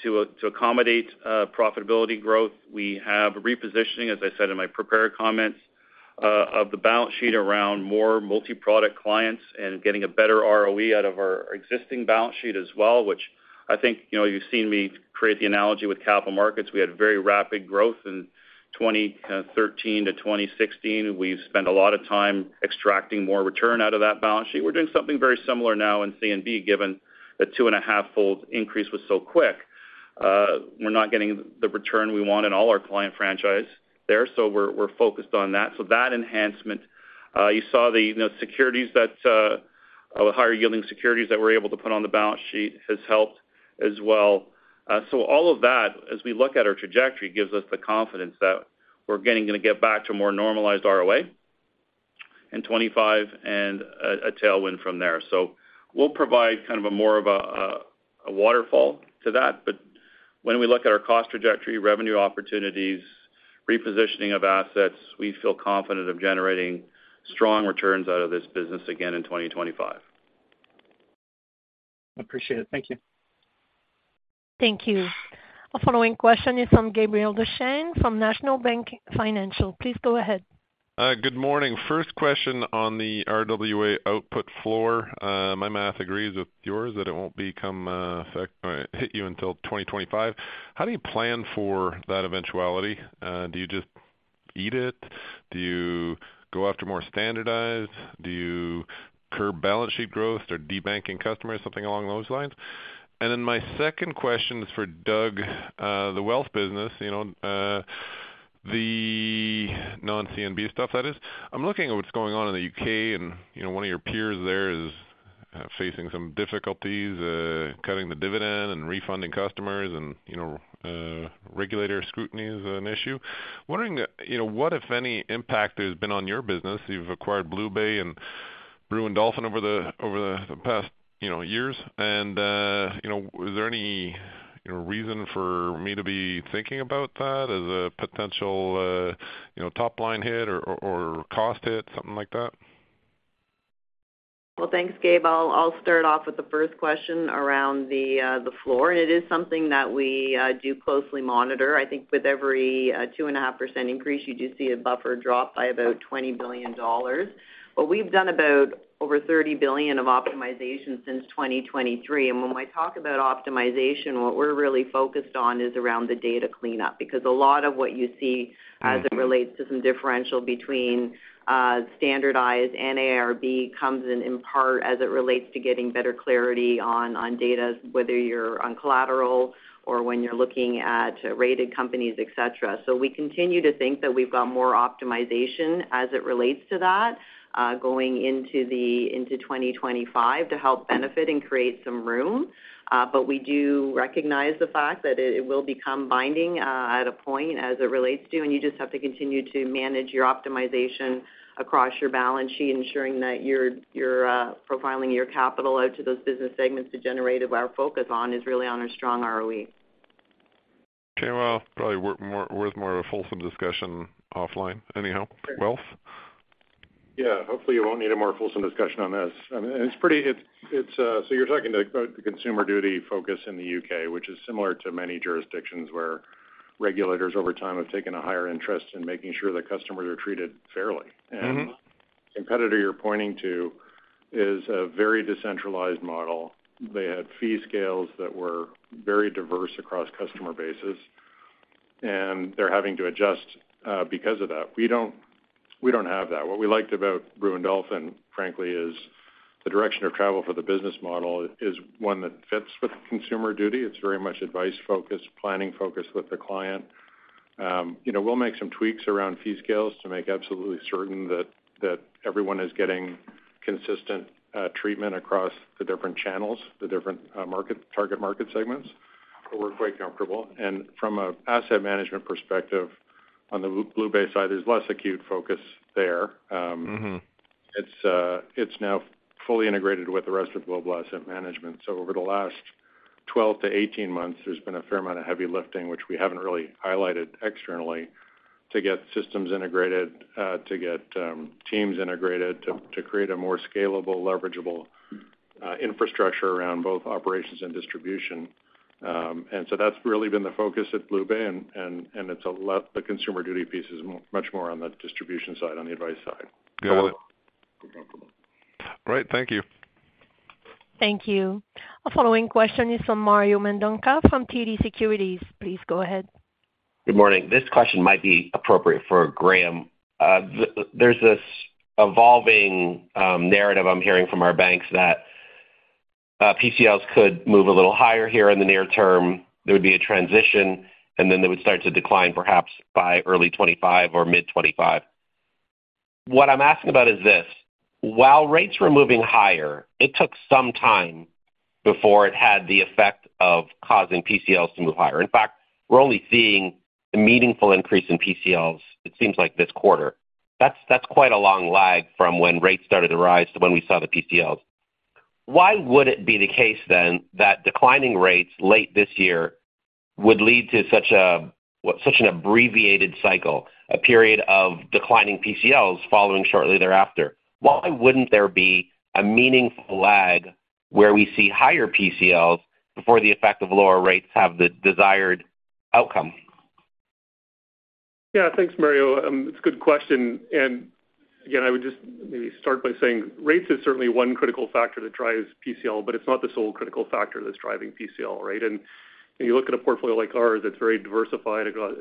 to accommodate profitability growth. We have repositioning, as I said in my prepared comments, of the balance sheet around more multi-product clients and getting a better ROE out of our existing balance sheet as well, which I think you've seen me create the analogy with capital markets. We had very rapid growth in 2013 to 2016. We've spent a lot of time extracting more return out of that balance sheet. We're doing something very similar now in CNB given the 2.5-fold increase was so quick. We're not getting the return we want in all our client franchise there, so we're focused on that. So that enhancement, you saw the securities that the higher-yielding securities that we're able to put on the balance sheet has helped as well. So all of that, as we look at our trajectory, gives us the confidence that we're going to get back to a more normalized ROA in 2025 and a tailwind from there. So we'll provide kind of a more of a waterfall to that. But when we look at our cost trajectory, revenue opportunities, repositioning of assets, we feel confident of generating strong returns out of this business again in 2025. Appreciate it. Thank you. Thank you. Our following question is from Gabriel Dechaine from National Bank Financial. Please go ahead. Good morning. First question on the RWA output floor. My math agrees with yours that it won't hit you until 2025. How do you plan for that eventuality? Do you just eat it? Do you go after more standardized? Do you curb balance sheet growth or debanking customers or something along those lines? And then my second question is for Doug, the wealth business, the non-CNB stuff, that is. I'm looking at what's going on in the U.K., and one of your peers there is facing some difficulties cutting the dividend and refunding customers and regulatory scrutiny is an issue. Wondering what, if any, impact there's been on your business. You've acquired BlueBay and Brewin Dolphin over the past years. And is there any reason for me to be thinking about that as a potential top-line hit or cost hit, something like that? Well, thanks, Gabe. I'll start off with the first question around the floor. And it is something that we do closely monitor. I think with every 2.5% increase, you do see a buffer drop by about 20 billion dollars. But we've done about over 30 billion of optimization since 2023. And when we talk about optimization, what we're really focused on is around the data cleanup because a lot of what you see as it relates to some differential between standardized and AIRB comes in part as it relates to getting better clarity on data, whether you're on collateral or when you're looking at rated companies, etc. So we continue to think that we've got more optimization as it relates to that going into 2025 to help benefit and create some room. But we do recognize the fact that it will become binding at a point as it relates to, and you just have to continue to manage your optimization across your balance sheet, ensuring that you're profiling your capital out to those business segments to generate what our focus on is really on our strong ROE. Okay. Well, probably worth more of a fulsome discussion offline anyhow. Wealth? Yeah. Hopefully, you won't need a more fulsome discussion on this. And it's pretty so you're talking about the Consumer Duty focus in the U.K., which is similar to many jurisdictions where regulators over time have taken a higher interest in making sure that customers are treated fairly. And the competitor you're pointing to is a very decentralized model. They had fee scales that were very diverse across customer bases, and they're having to adjust because of that. We don't have that. What we liked about Brewin Dolphin, frankly, is the direction of travel for the business model is one that fits with Consumer Duty. It's very much advice-focused, planning-focused with the client. We'll make some tweaks around fee scales to make absolutely certain that everyone is getting consistent treatment across the different channels, the different target market segments. But we're quite comfortable. And from an asset management perspective, on the BlueBay side, there's less acute focus there. It's now fully integrated with the rest of Global Asset Management. So over the last 12-18 months, there's been a fair amount of heavy lifting, which we haven't really highlighted externally, to get systems integrated, to get teams integrated, to create a more scalable, leverageable infrastructure around both operations and distribution. And so that's really been the focus at BlueBay, and the Consumer Duty piece is much more on the distribution side, on the advice side. So we're comfortable. Great. Thank you. Thank you. Our following question is from Mario Mendonca from TD Securities. Please go ahead. Good morning. This question might be appropriate for Graeme. There's this evolving narrative I'm hearing from our banks that PCLs could move a little higher here in the near term. There would be a transition, and then they would start to decline perhaps by early 2025 or mid-2025. What I'm asking about is this: while rates were moving higher, it took some time before it had the effect of causing PCLs to move higher. In fact, we're only seeing a meaningful increase in PCLs, it seems like, this quarter. That's quite a long lag from when rates started to rise to when we saw the PCLs. Why would it be the case then that declining rates late this year would lead to such an abbreviated cycle, a period of declining PCLs following shortly thereafter? Why wouldn't there be a meaningful lag where we see higher PCLs before the effect of lower rates have the desired outcome? Yeah. Thanks, Mario. It's a good question. And again, I would just maybe start by saying rates is certainly one critical factor that drives PCL, but it's not the sole critical factor that's driving PCL, right? And you look at a portfolio like ours that's very diversified across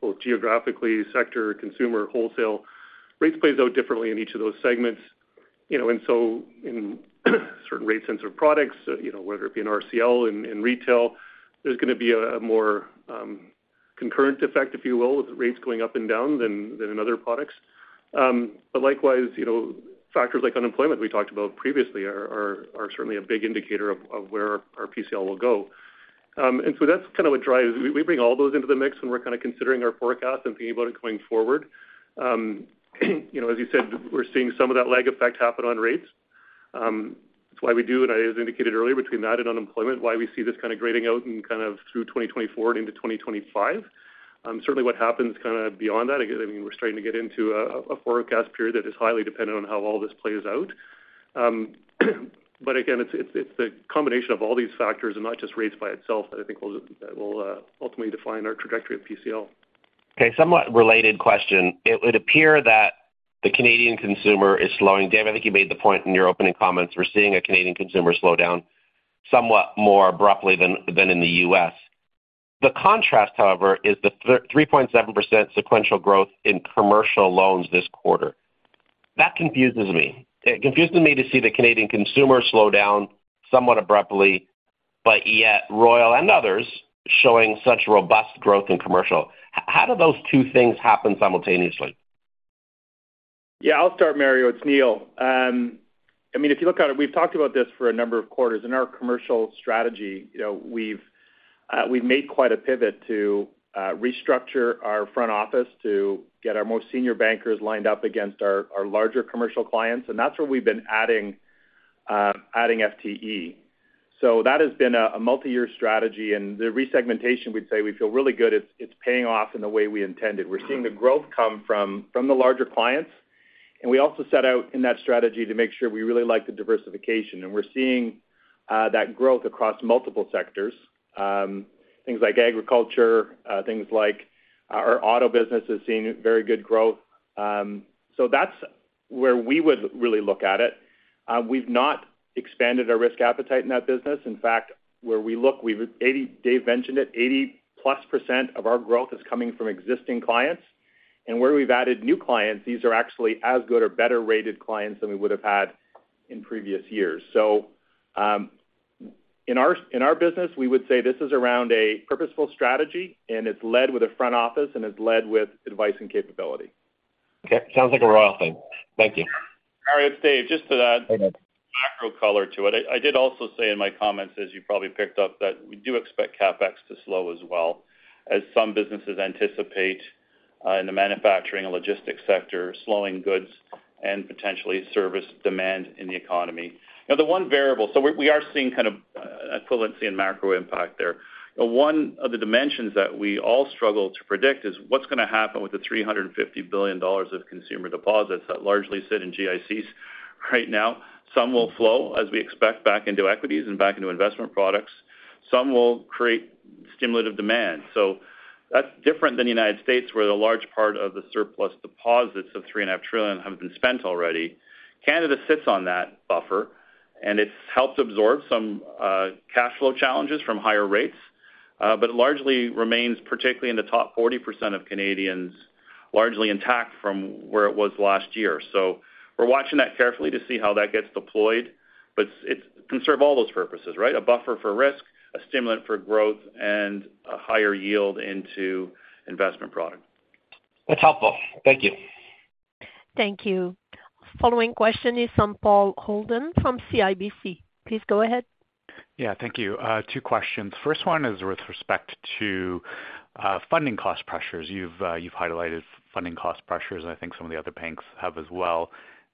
both geographically, sector, consumer, wholesale. Rates play out differently in each of those segments. And so in certain rate-sensitive products, whether it be an RCL in retail, there's going to be a more concurrent effect, if you will, with rates going up and down than in other products. But likewise, factors like unemployment we talked about previously are certainly a big indicator of where our PCL will go. And so that's kind of what drives we bring all those into the mix when we're kind of considering our forecast and thinking about it going forward. As you said, we're seeing some of that lag effect happen on rates. That's why we do, and I as indicated earlier, between that and unemployment, why we see this kind of grading out and kind of through 2024 and into 2025. Certainly, what happens kind of beyond that, I mean, we're starting to get into a forecast period that is highly dependent on how all this plays out. But again, it's the combination of all these factors and not just rates by itself that I think will ultimately define our trajectory of PCL. Okay. Somewhat related question. It would appear that the Canadian consumer is slowing. Dave, I think you made the point in your opening comments. We're seeing a Canadian consumer slow down somewhat more abruptly than in the U.S. The contrast, however, is the 3.7% sequential growth in commercial loans this quarter. That confuses me. It confuses me to see the Canadian consumer slow down somewhat abruptly, but yet Royal and others showing such robust growth in commercial. How do those two things happen simultaneously? Yeah. I'll start, Mario. It's Neil. I mean, if you look at it, we've talked about this for a number of quarters. In our commercial strategy, we've made quite a pivot to restructure our front office to get our most senior bankers lined up against our larger commercial clients. That's where we've been adding FTE. That has been a multi-year strategy. The resegmentation, we'd say we feel really good it's paying off in the way we intended. We're seeing the growth come from the larger clients. We also set out in that strategy to make sure we really like the diversification. We're seeing that growth across multiple sectors, things like agriculture, things like our auto business is seeing very good growth. That's where we would really look at it. We've not expanded our risk appetite in that business. In fact, where we look, Dave mentioned it, 80%+ of our growth is coming from existing clients. Where we've added new clients, these are actually as good or better rated clients than we would have had in previous years. So in our business, we would say this is around a purposeful strategy, and it's led with a front office, and it's led with advice and capability. Okay. Sounds like a Royal thing. Thank you. All right. It's Dave. Just a macro color to it. I did also say in my comments, as you probably picked up, that we do expect CapEx to slow as well, as some businesses anticipate in the manufacturing and logistics sector slowing goods and potentially service demand in the economy. The one variable so we are seeing kind of equivalency and macro impact there. One of the dimensions that we all struggle to predict is what's going to happen with the 350 billion dollars of consumer deposits that largely sit in GICs right now. Some will flow, as we expect, back into equities and back into investment products. Some will create stimulative demand. So that's different than the United States, where a large part of the surplus deposits of 3.5 trillion have been spent already. Canada sits on that buffer, and it's helped absorb some cash flow challenges from higher rates, but largely remains, particularly in the top 40% of Canadians, largely intact from where it was last year. So we're watching that carefully to see how that gets deployed. But it can serve all those purposes, right? A buffer for risk, a stimulant for growth, and a higher yield into investment product. That's helpful. Thank you. Thank you. Following question is from Paul Holden from CIBC. Please go ahead. Yeah. Thank you. Two questions. First one is with respect to funding cost pressures. You've highlighted funding cost pressures, and I think some of the other banks have as well.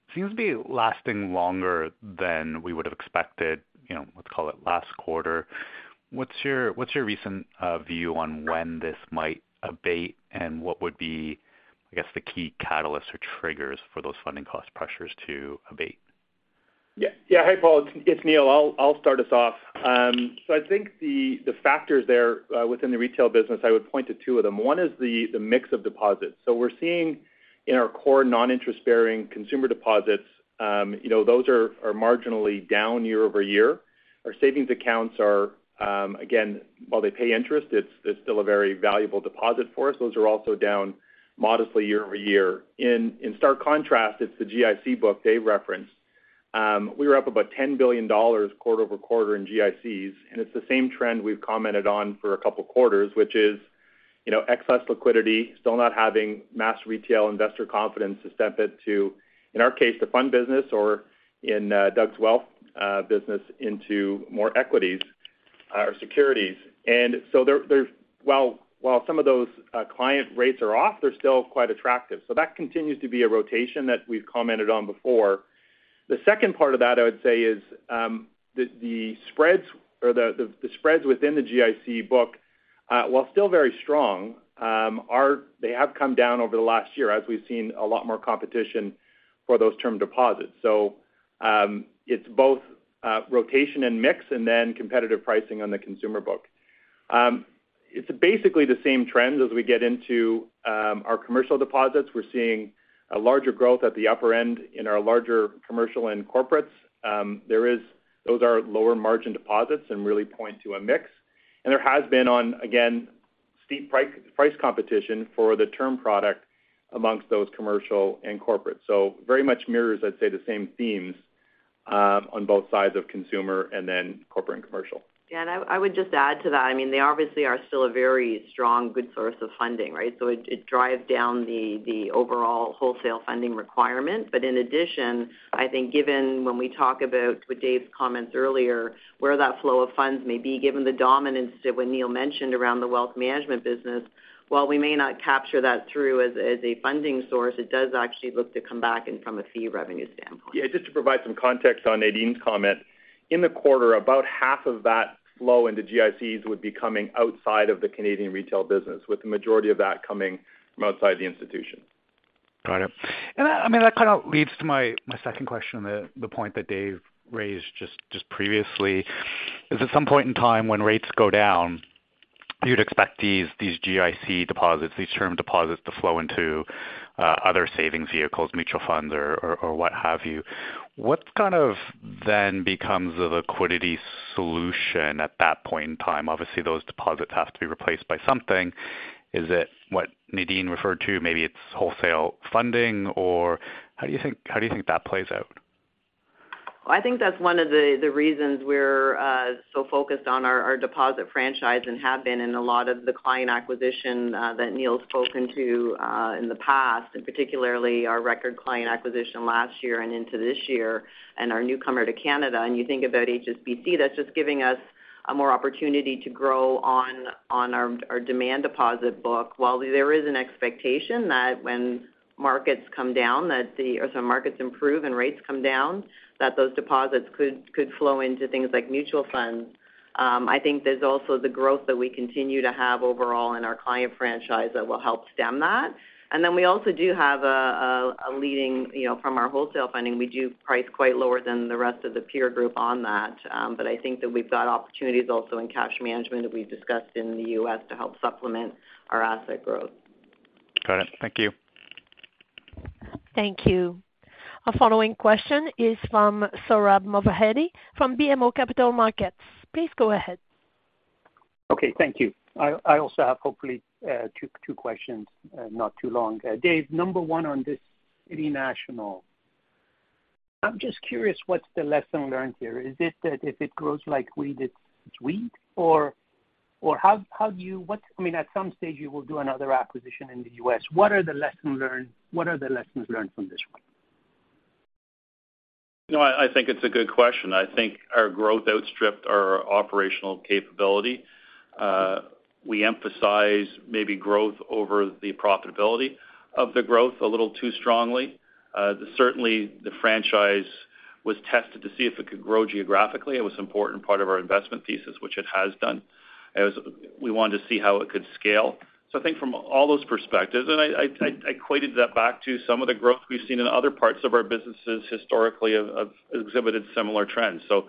It seems to be lasting longer than we would have expected, let's call it last quarter. What's your recent view on when this might abate, and what would be, I guess, the key catalysts or triggers for those funding cost pressures to abate? Yeah. Yeah. Hey, Paul. It's Neil. I'll start us off. So I think the factors there within the retail business, I would point to two of them. One is the mix of deposits. So we're seeing in our core non-interest-bearing consumer deposits, those are marginally down year-over-year. Our savings accounts are, again, while they pay interest, it's still a very valuable deposit for us. Those are also down modestly year-over-year. In stark contrast, it's the GIC book they referenced. We were up about 10 billion dollars quarter-over-quarter in GICs. And it's the same trend we've commented on for a couple of quarters, which is excess liquidity, still not having mass retail investor confidence to step it to, in our case, the fund business or in Doug's wealth business into more equities or securities. And so while some of those client rates are off, they're still quite attractive. So that continues to be a rotation that we've commented on before. The second part of that, I would say, is the spreads or the spreads within the GIC book, while still very strong, they have come down over the last year as we've seen a lot more competition for those term deposits. So it's both rotation and mix and then competitive pricing on the consumer book. It's basically the same trend as we get into our commercial deposits. We're seeing a larger growth at the upper end in our larger commercial and corporates. Those are lower margin deposits and really point to a mix. And there has been, again, steep price competition for the term product amongst those commercial and corporate. So very much mirrors, I'd say, the same themes on both sides of consumer and then corporate and commercial. Yeah. And I would just add to that. I mean, they obviously are still a very strong, good source of funding, right? So it drives down the overall wholesale funding requirement. But in addition, I think given when we talk about, with Dave's comments earlier, where that flow of funds may be, given the dominance that what Neil mentioned around the wealth management business, while we may not capture that through as a funding source, it does actually look to come back from a fee revenue standpoint. Yeah. Just to provide some context on Nadine's comment, in the quarter, about half of that flow into GICs would be coming outside of the Canadian retail business, with the majority of that coming from outside the institution. Got it. And I mean, that kind of leads to my second question and the point that Dave raised just previously. Is, at some point in time when rates go down, you'd expect these GIC deposits, these term deposits, to flow into other savings vehicles, mutual funds, or what have you? What kind of then becomes the liquidity solution at that point in time? Obviously, those deposits have to be replaced by something. Is it what Nadine referred to? Maybe it's wholesale funding, or how do you think that plays out? Well, I think that's one of the reasons we're so focused on our deposit franchise and have been in a lot of the client acquisition that Neil's spoken to in the past, and particularly our record client acquisition last year and into this year and our newcomer to Canada. And you think about HSBC, that's just giving us a more opportunity to grow on our demand deposit book. While there is an expectation that when markets come down, that the or sorry, markets improve and rates come down, that those deposits could flow into things like mutual funds, I think there's also the growth that we continue to have overall in our client franchise that will help stem that. And then we also do have a leading from our wholesale funding, we do price quite lower than the rest of the peer group on that. But I think that we've got opportunities also in cash management that we've discussed in the U.S. to help supplement our asset growth. Got it. Thank you. Thank you. Our following question is from Sohrab Movahedi from BMO Capital Markets. Please go ahead. Okay. Thank you. I also have, hopefully, two questions, not too long. Dave, number one on this international, I'm just curious what's the lesson learned here. Is it that if it grows like weed, it's weed, or how do you, I mean, at some stage, you will do another acquisition in the U.S.? What are the lessons learned? What are the lessons learned from this one? I think it's a good question. I think our growth outstripped our operational capability. We emphasize maybe growth over the profitability of the growth a little too strongly. Certainly, the franchise was tested to see if it could grow geographically. It was an important part of our investment thesis, which it has done. We wanted to see how it could scale. So I think from all those perspectives and I equated that back to some of the growth we've seen in other parts of our businesses historically have exhibited similar trends. So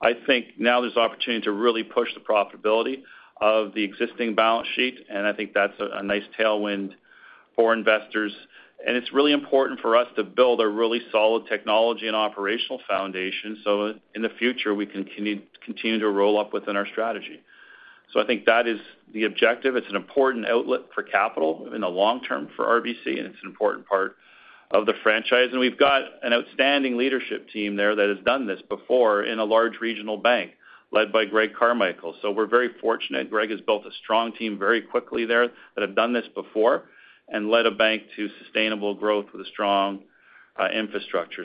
I think now there's opportunity to really push the profitability of the existing balance sheet. I think that's a nice tailwind for investors. It's really important for us to build a really solid technology and operational foundation so in the future, we can continue to roll up within our strategy. I think that is the objective. It's an important outlet for capital in the long term for RBC, and it's an important part of the franchise. We've got an outstanding leadership team there that has done this before in a large regional bank led by Greg Carmichael. We're very fortunate. Greg has built a strong team very quickly there that have done this before and led a bank to sustainable growth with a strong infrastructure.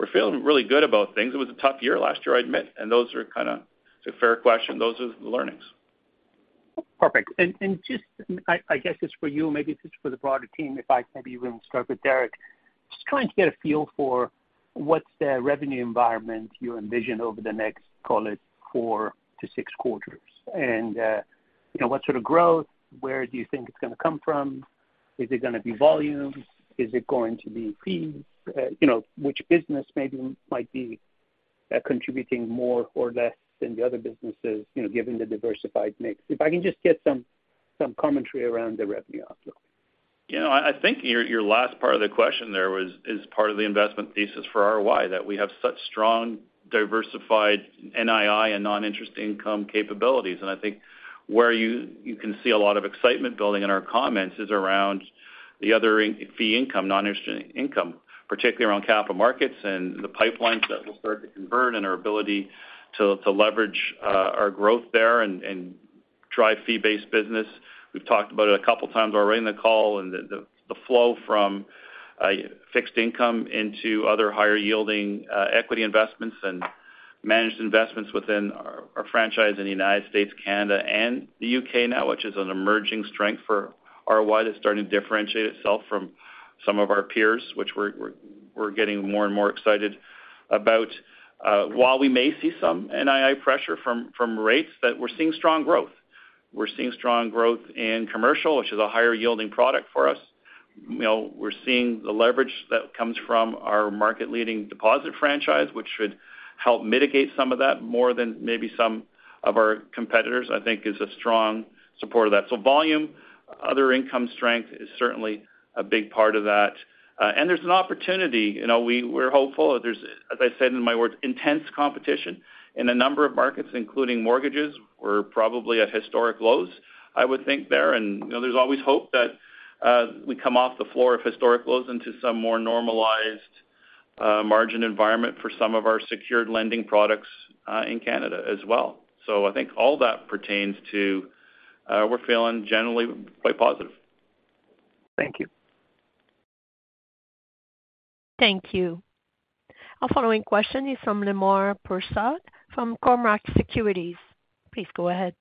We're feeling really good about things. It was a tough year last year, I admit. Those are kind of it's a fair question. Those are the learnings. Perfect. And just, I guess it's for you, maybe it's just for the broader team, if I maybe even start with Derek. Just trying to get a feel for what's the revenue environment you envision over the next, call it, 4-6 quarters? And what sort of growth, where do you think it's going to come from? Is it going to be volume? Is it going to be fees? Which business maybe might be contributing more or less than the other businesses given the diversified mix? If I can just get some commentary around the revenue outlook. Yeah. I think your last part of the question there is part of the investment thesis for RBC, that we have such strong diversified NII and non-interest income capabilities. I think where you can see a lot of excitement building in our comments is around the other fee income, non-interest income, particularly around Capital Markets and the pipelines that will start to convert and our ability to leverage our growth there and drive fee-based business. We've talked about it a couple of times already in the call, and the flow from fixed income into other higher-yielding equity investments and managed investments within our franchise in the United States, Canada, and the U.K. now, which is an emerging strength for RBC that's starting to differentiate itself from some of our peers, which we're getting more and more excited about. While we may see some NII pressure from rates, we're seeing strong growth. We're seeing strong growth in commercial, which is a higher-yielding product for us. We're seeing the leverage that comes from our market-leading deposit franchise, which should help mitigate some of that more than maybe some of our competitors, I think, is a strong support of that. So volume, other income strength is certainly a big part of that. And there's an opportunity. We're hopeful. As I said in my words, intense competition in a number of markets, including mortgages. We're probably at historic lows, I would think, there. And there's always hope that we come off the floor of historic lows into some more normalized margin environment for some of our secured lending products in Canada as well. So I think all that pertains to we're feeling generally quite positive. Thank you. Thank you. Our following question is from Lemar Persaud from Cormark Securities. Please go ahead.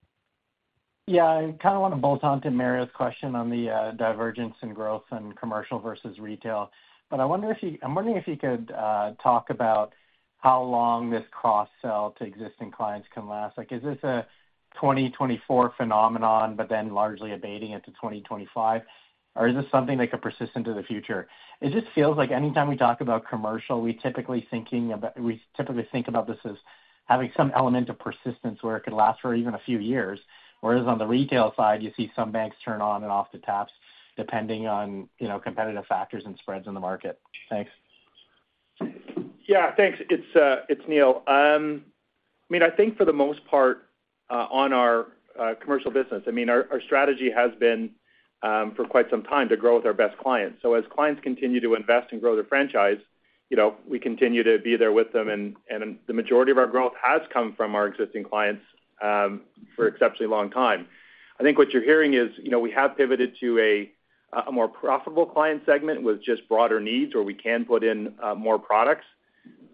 Yeah. I kind of want to bolt on to Mario's question on the divergence in growth and commercial versus retail. But I'm wondering if you could talk about how long this cross-sell to existing clients can last. Is this a 2024 phenomenon, but then largely abating into 2025, or is this something that could persist into the future? It just feels like anytime we talk about commercial, we typically think about this as having some element of persistence where it could last for even a few years. Whereas on the retail side, you see some banks turn on and off the taps depending on competitive factors and spreads in the market. Thanks. Yeah. Thanks. It's Neil. I mean, I think for the most part on our commercial business, I mean, our strategy has been for quite some time to grow with our best clients. So as clients continue to invest and grow their franchise, we continue to be there with them. And the majority of our growth has come from our existing clients for an exceptionally long time. I think what you're hearing is we have pivoted to a more profitable client segment with just broader needs where we can put in more products.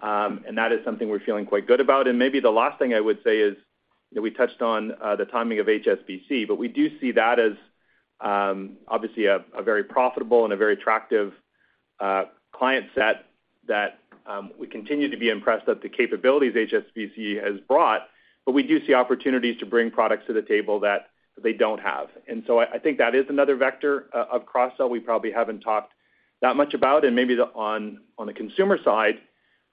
And that is something we're feeling quite good about. And maybe the last thing I would say is we touched on the timing of HSBC, but we do see that as obviously a very profitable and a very attractive client set that we continue to be impressed at the capabilities HSBC has brought. But we do see opportunities to bring products to the table that they don't have. And so I think that is another vector of cross-sell we probably haven't talked that much about. And maybe on the consumer side,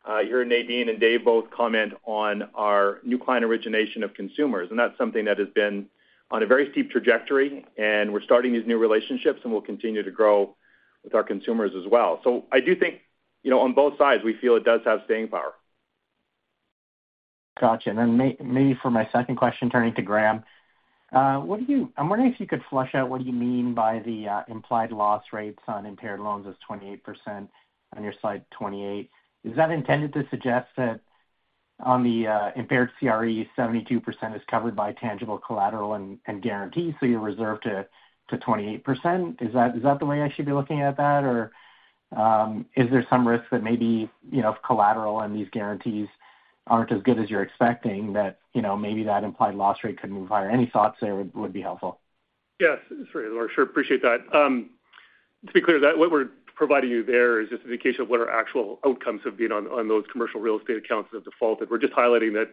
here, and Nadine and Dave both comment on our new client origination of consumers. And that's something that has been on a very steep trajectory. And we're starting these new relationships, and we'll continue to grow with our consumers as well. So I do think on both sides, we feel it does have staying power. Gotcha. And then maybe for my second question, turning to Graeme, I'm wondering if you could flesh out what you mean by the implied loss rates on impaired loans as 28% on your side, 28? Is that intended to suggest that on the impaired CRE, 72% is covered by tangible collateral and guarantees, so you're reserved to 28%? Is that the way I should be looking at that, or is there some risk that maybe if collateral and these guarantees aren't as good as you're expecting, that maybe that implied loss rate could move higher? Any thoughts there would be helpful. Yes. That's right. I sure appreciate that. To be clear, what we're providing you there is just an indication of what our actual outcomes have been on those commercial real estate accounts as a default. We're just highlighting that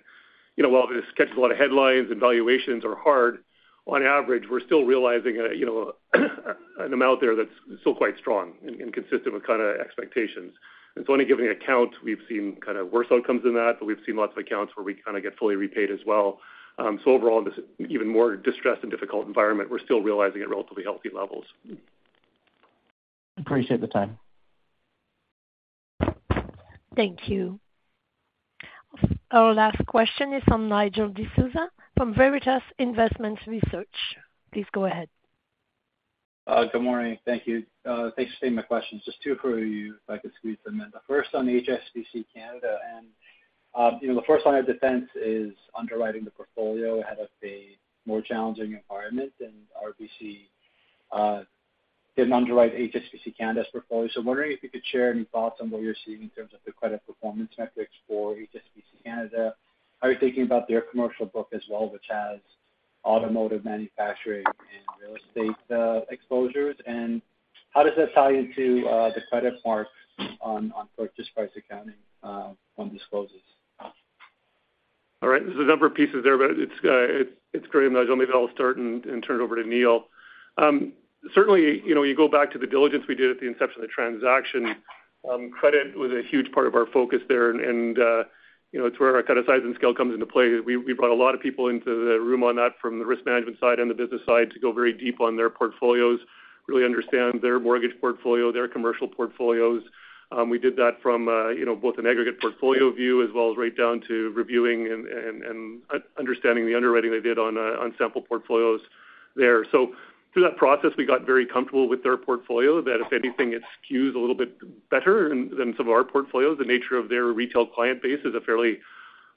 while this catches a lot of headlines and valuations are hard, on average, we're still realizing an amount there that's still quite strong and consistent with kind of expectations. So on a given account, we've seen kind of worse outcomes than that, but we've seen lots of accounts where we kind of get fully repaid as well. So overall, in this even more distressed and difficult environment, we're still realizing at relatively healthy levels. Appreciate the time. Thank you. Our last question is from Nigel D'Souza from Veritas Investment Research. Please go ahead. Good morning. Thank you. Thanks for stating my questions. Just two for you if I could squeeze them in. The first on HSBC Canada. And the first line of defense is underwriting the portfolio ahead of a more challenging environment. And RBC didn't underwrite HSBC Canada's portfolio. So wondering if you could share any thoughts on what you're seeing in terms of the credit performance metrics for HSBC Canada. How are you thinking about their commercial book as well, which has automotive manufacturing and real estate exposures? And how does that tie into the credit mark on purchase price accounting when disclosed? All right. There's a number of pieces there, but it's great, Nigel. Maybe I'll start and turn it over to Neil. Certainly, when you go back to the diligence we did at the inception of the transaction, credit was a huge part of our focus there. It's where our kind of size and scale comes into play. We brought a lot of people into the room on that from the risk management side and the business side to go very deep on their portfolios, really understand their mortgage portfolio, their commercial portfolios. We did that from both an aggregate portfolio view as well as right down to reviewing and understanding the underwriting they did on sample portfolios there. So through that process, we got very comfortable with their portfolio that if anything, it skews a little bit better than some of our portfolios. The nature of their retail client base is a fairly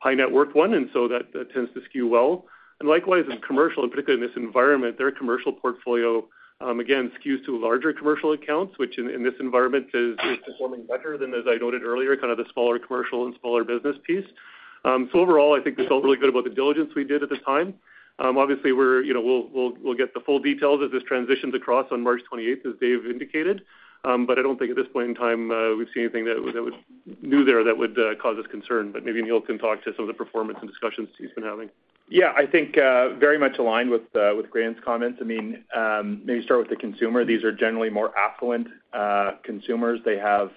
high-net-worth one, and so that tends to skew well. And likewise, in commercial, and particularly in this environment, their commercial portfolio, again, skews to larger commercial accounts, which in this environment is performing better than, as I noted earlier, kind of the smaller commercial and smaller business piece. So overall, I think we felt really good about the diligence we did at the time. Obviously, we'll get the full details as this transitions across on March 28th, as Dave indicated. But I don't think at this point in time, we've seen anything that was new there that would cause us concern. But maybe Neil can talk to some of the performance and discussions he's been having. Yeah. I think very much aligned with Graeme's comments. I mean, maybe start with the consumer. These are generally more affluent consumers. They have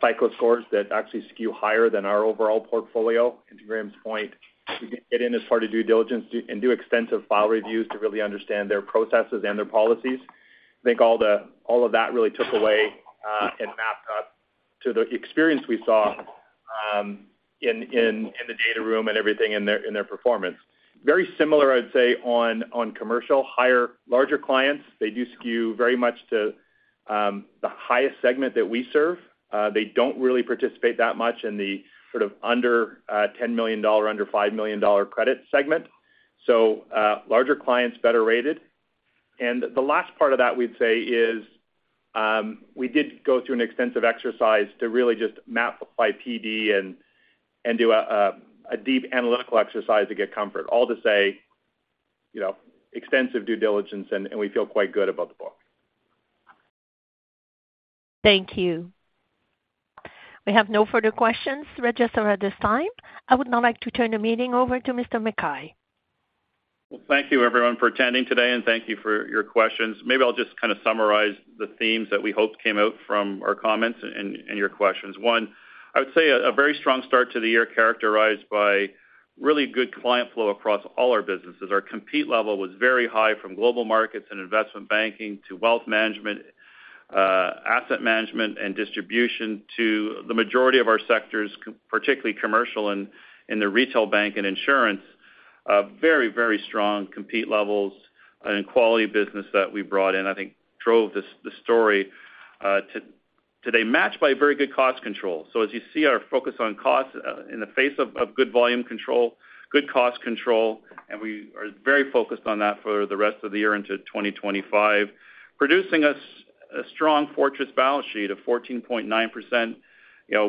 FICO scores that actually skew higher than our overall portfolio. And to Graeme's point, we did get in as far to do diligence and do extensive file reviews to really understand their processes and their policies. I think all of that really took away and mapped up to the experience we saw in the data room and everything in their performance. Very similar, I would say, on commercial, larger clients. They do skew very much to the highest segment that we serve. They don't really participate that much in the sort of under 10 million dollar, under 5 million dollar credit segment. So larger clients, better rated. And the last part of that, we'd say, is we did go through an extensive exercise to really just map the PIT PD and do a deep analytical exercise to get comfort, all to say extensive due diligence, and we feel quite good about the book. Thank you. We have no further questions, Operator, at this time. I would now like to turn the meeting over to Mr. McKay. Well, thank you, everyone, for attending today, and thank you for your questions. Maybe I'll just kind of summarize the themes that we hoped came out from our comments and your questions. One, I would say a very strong start to the year characterized by really good client flow across all our businesses. Our competition level was very high from global markets and investment banking to wealth management, asset management, and distribution to the majority of our sectors, particularly commercial and in the retail bank and insurance. Very, very strong competition levels and quality business that we brought in, I think, drove the story today matched by very good cost control. So as you see, our focus on cost in the face of good volume control, good cost control, and we are very focused on that for the rest of the year into 2025, producing us a strong fortress balance sheet of 14.9%.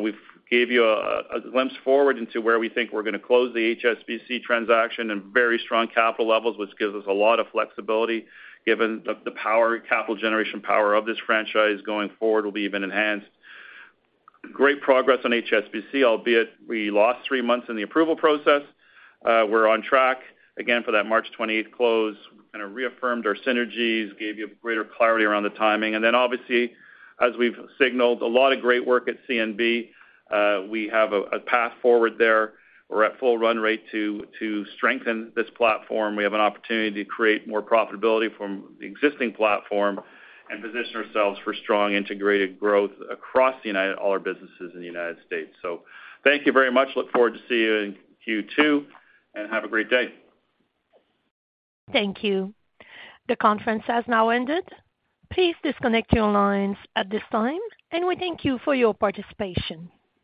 We gave you a glimpse forward into where we think we're going to close the HSBC transaction and very strong capital levels, which gives us a lot of flexibility given the capital generation power of this franchise going forward will be even enhanced. Great progress on HSBC, albeit we lost three months in the approval process. We're on track again for that March 28th close. We kind of reaffirmed our synergies, gave you greater clarity around the timing. And then obviously, as we've signaled, a lot of great work at CNB. We have a path forward there. We're at full run rate to strengthen this platform. We have an opportunity to create more profitability from the existing platform and position ourselves for strong integrated growth across the United States, all our businesses in the United States. So thank you very much. Look forward to seeing you in Q2, and have a great day. Thank you. The conference has now ended. Please disconnect your lines at this time, and we thank you for your participation.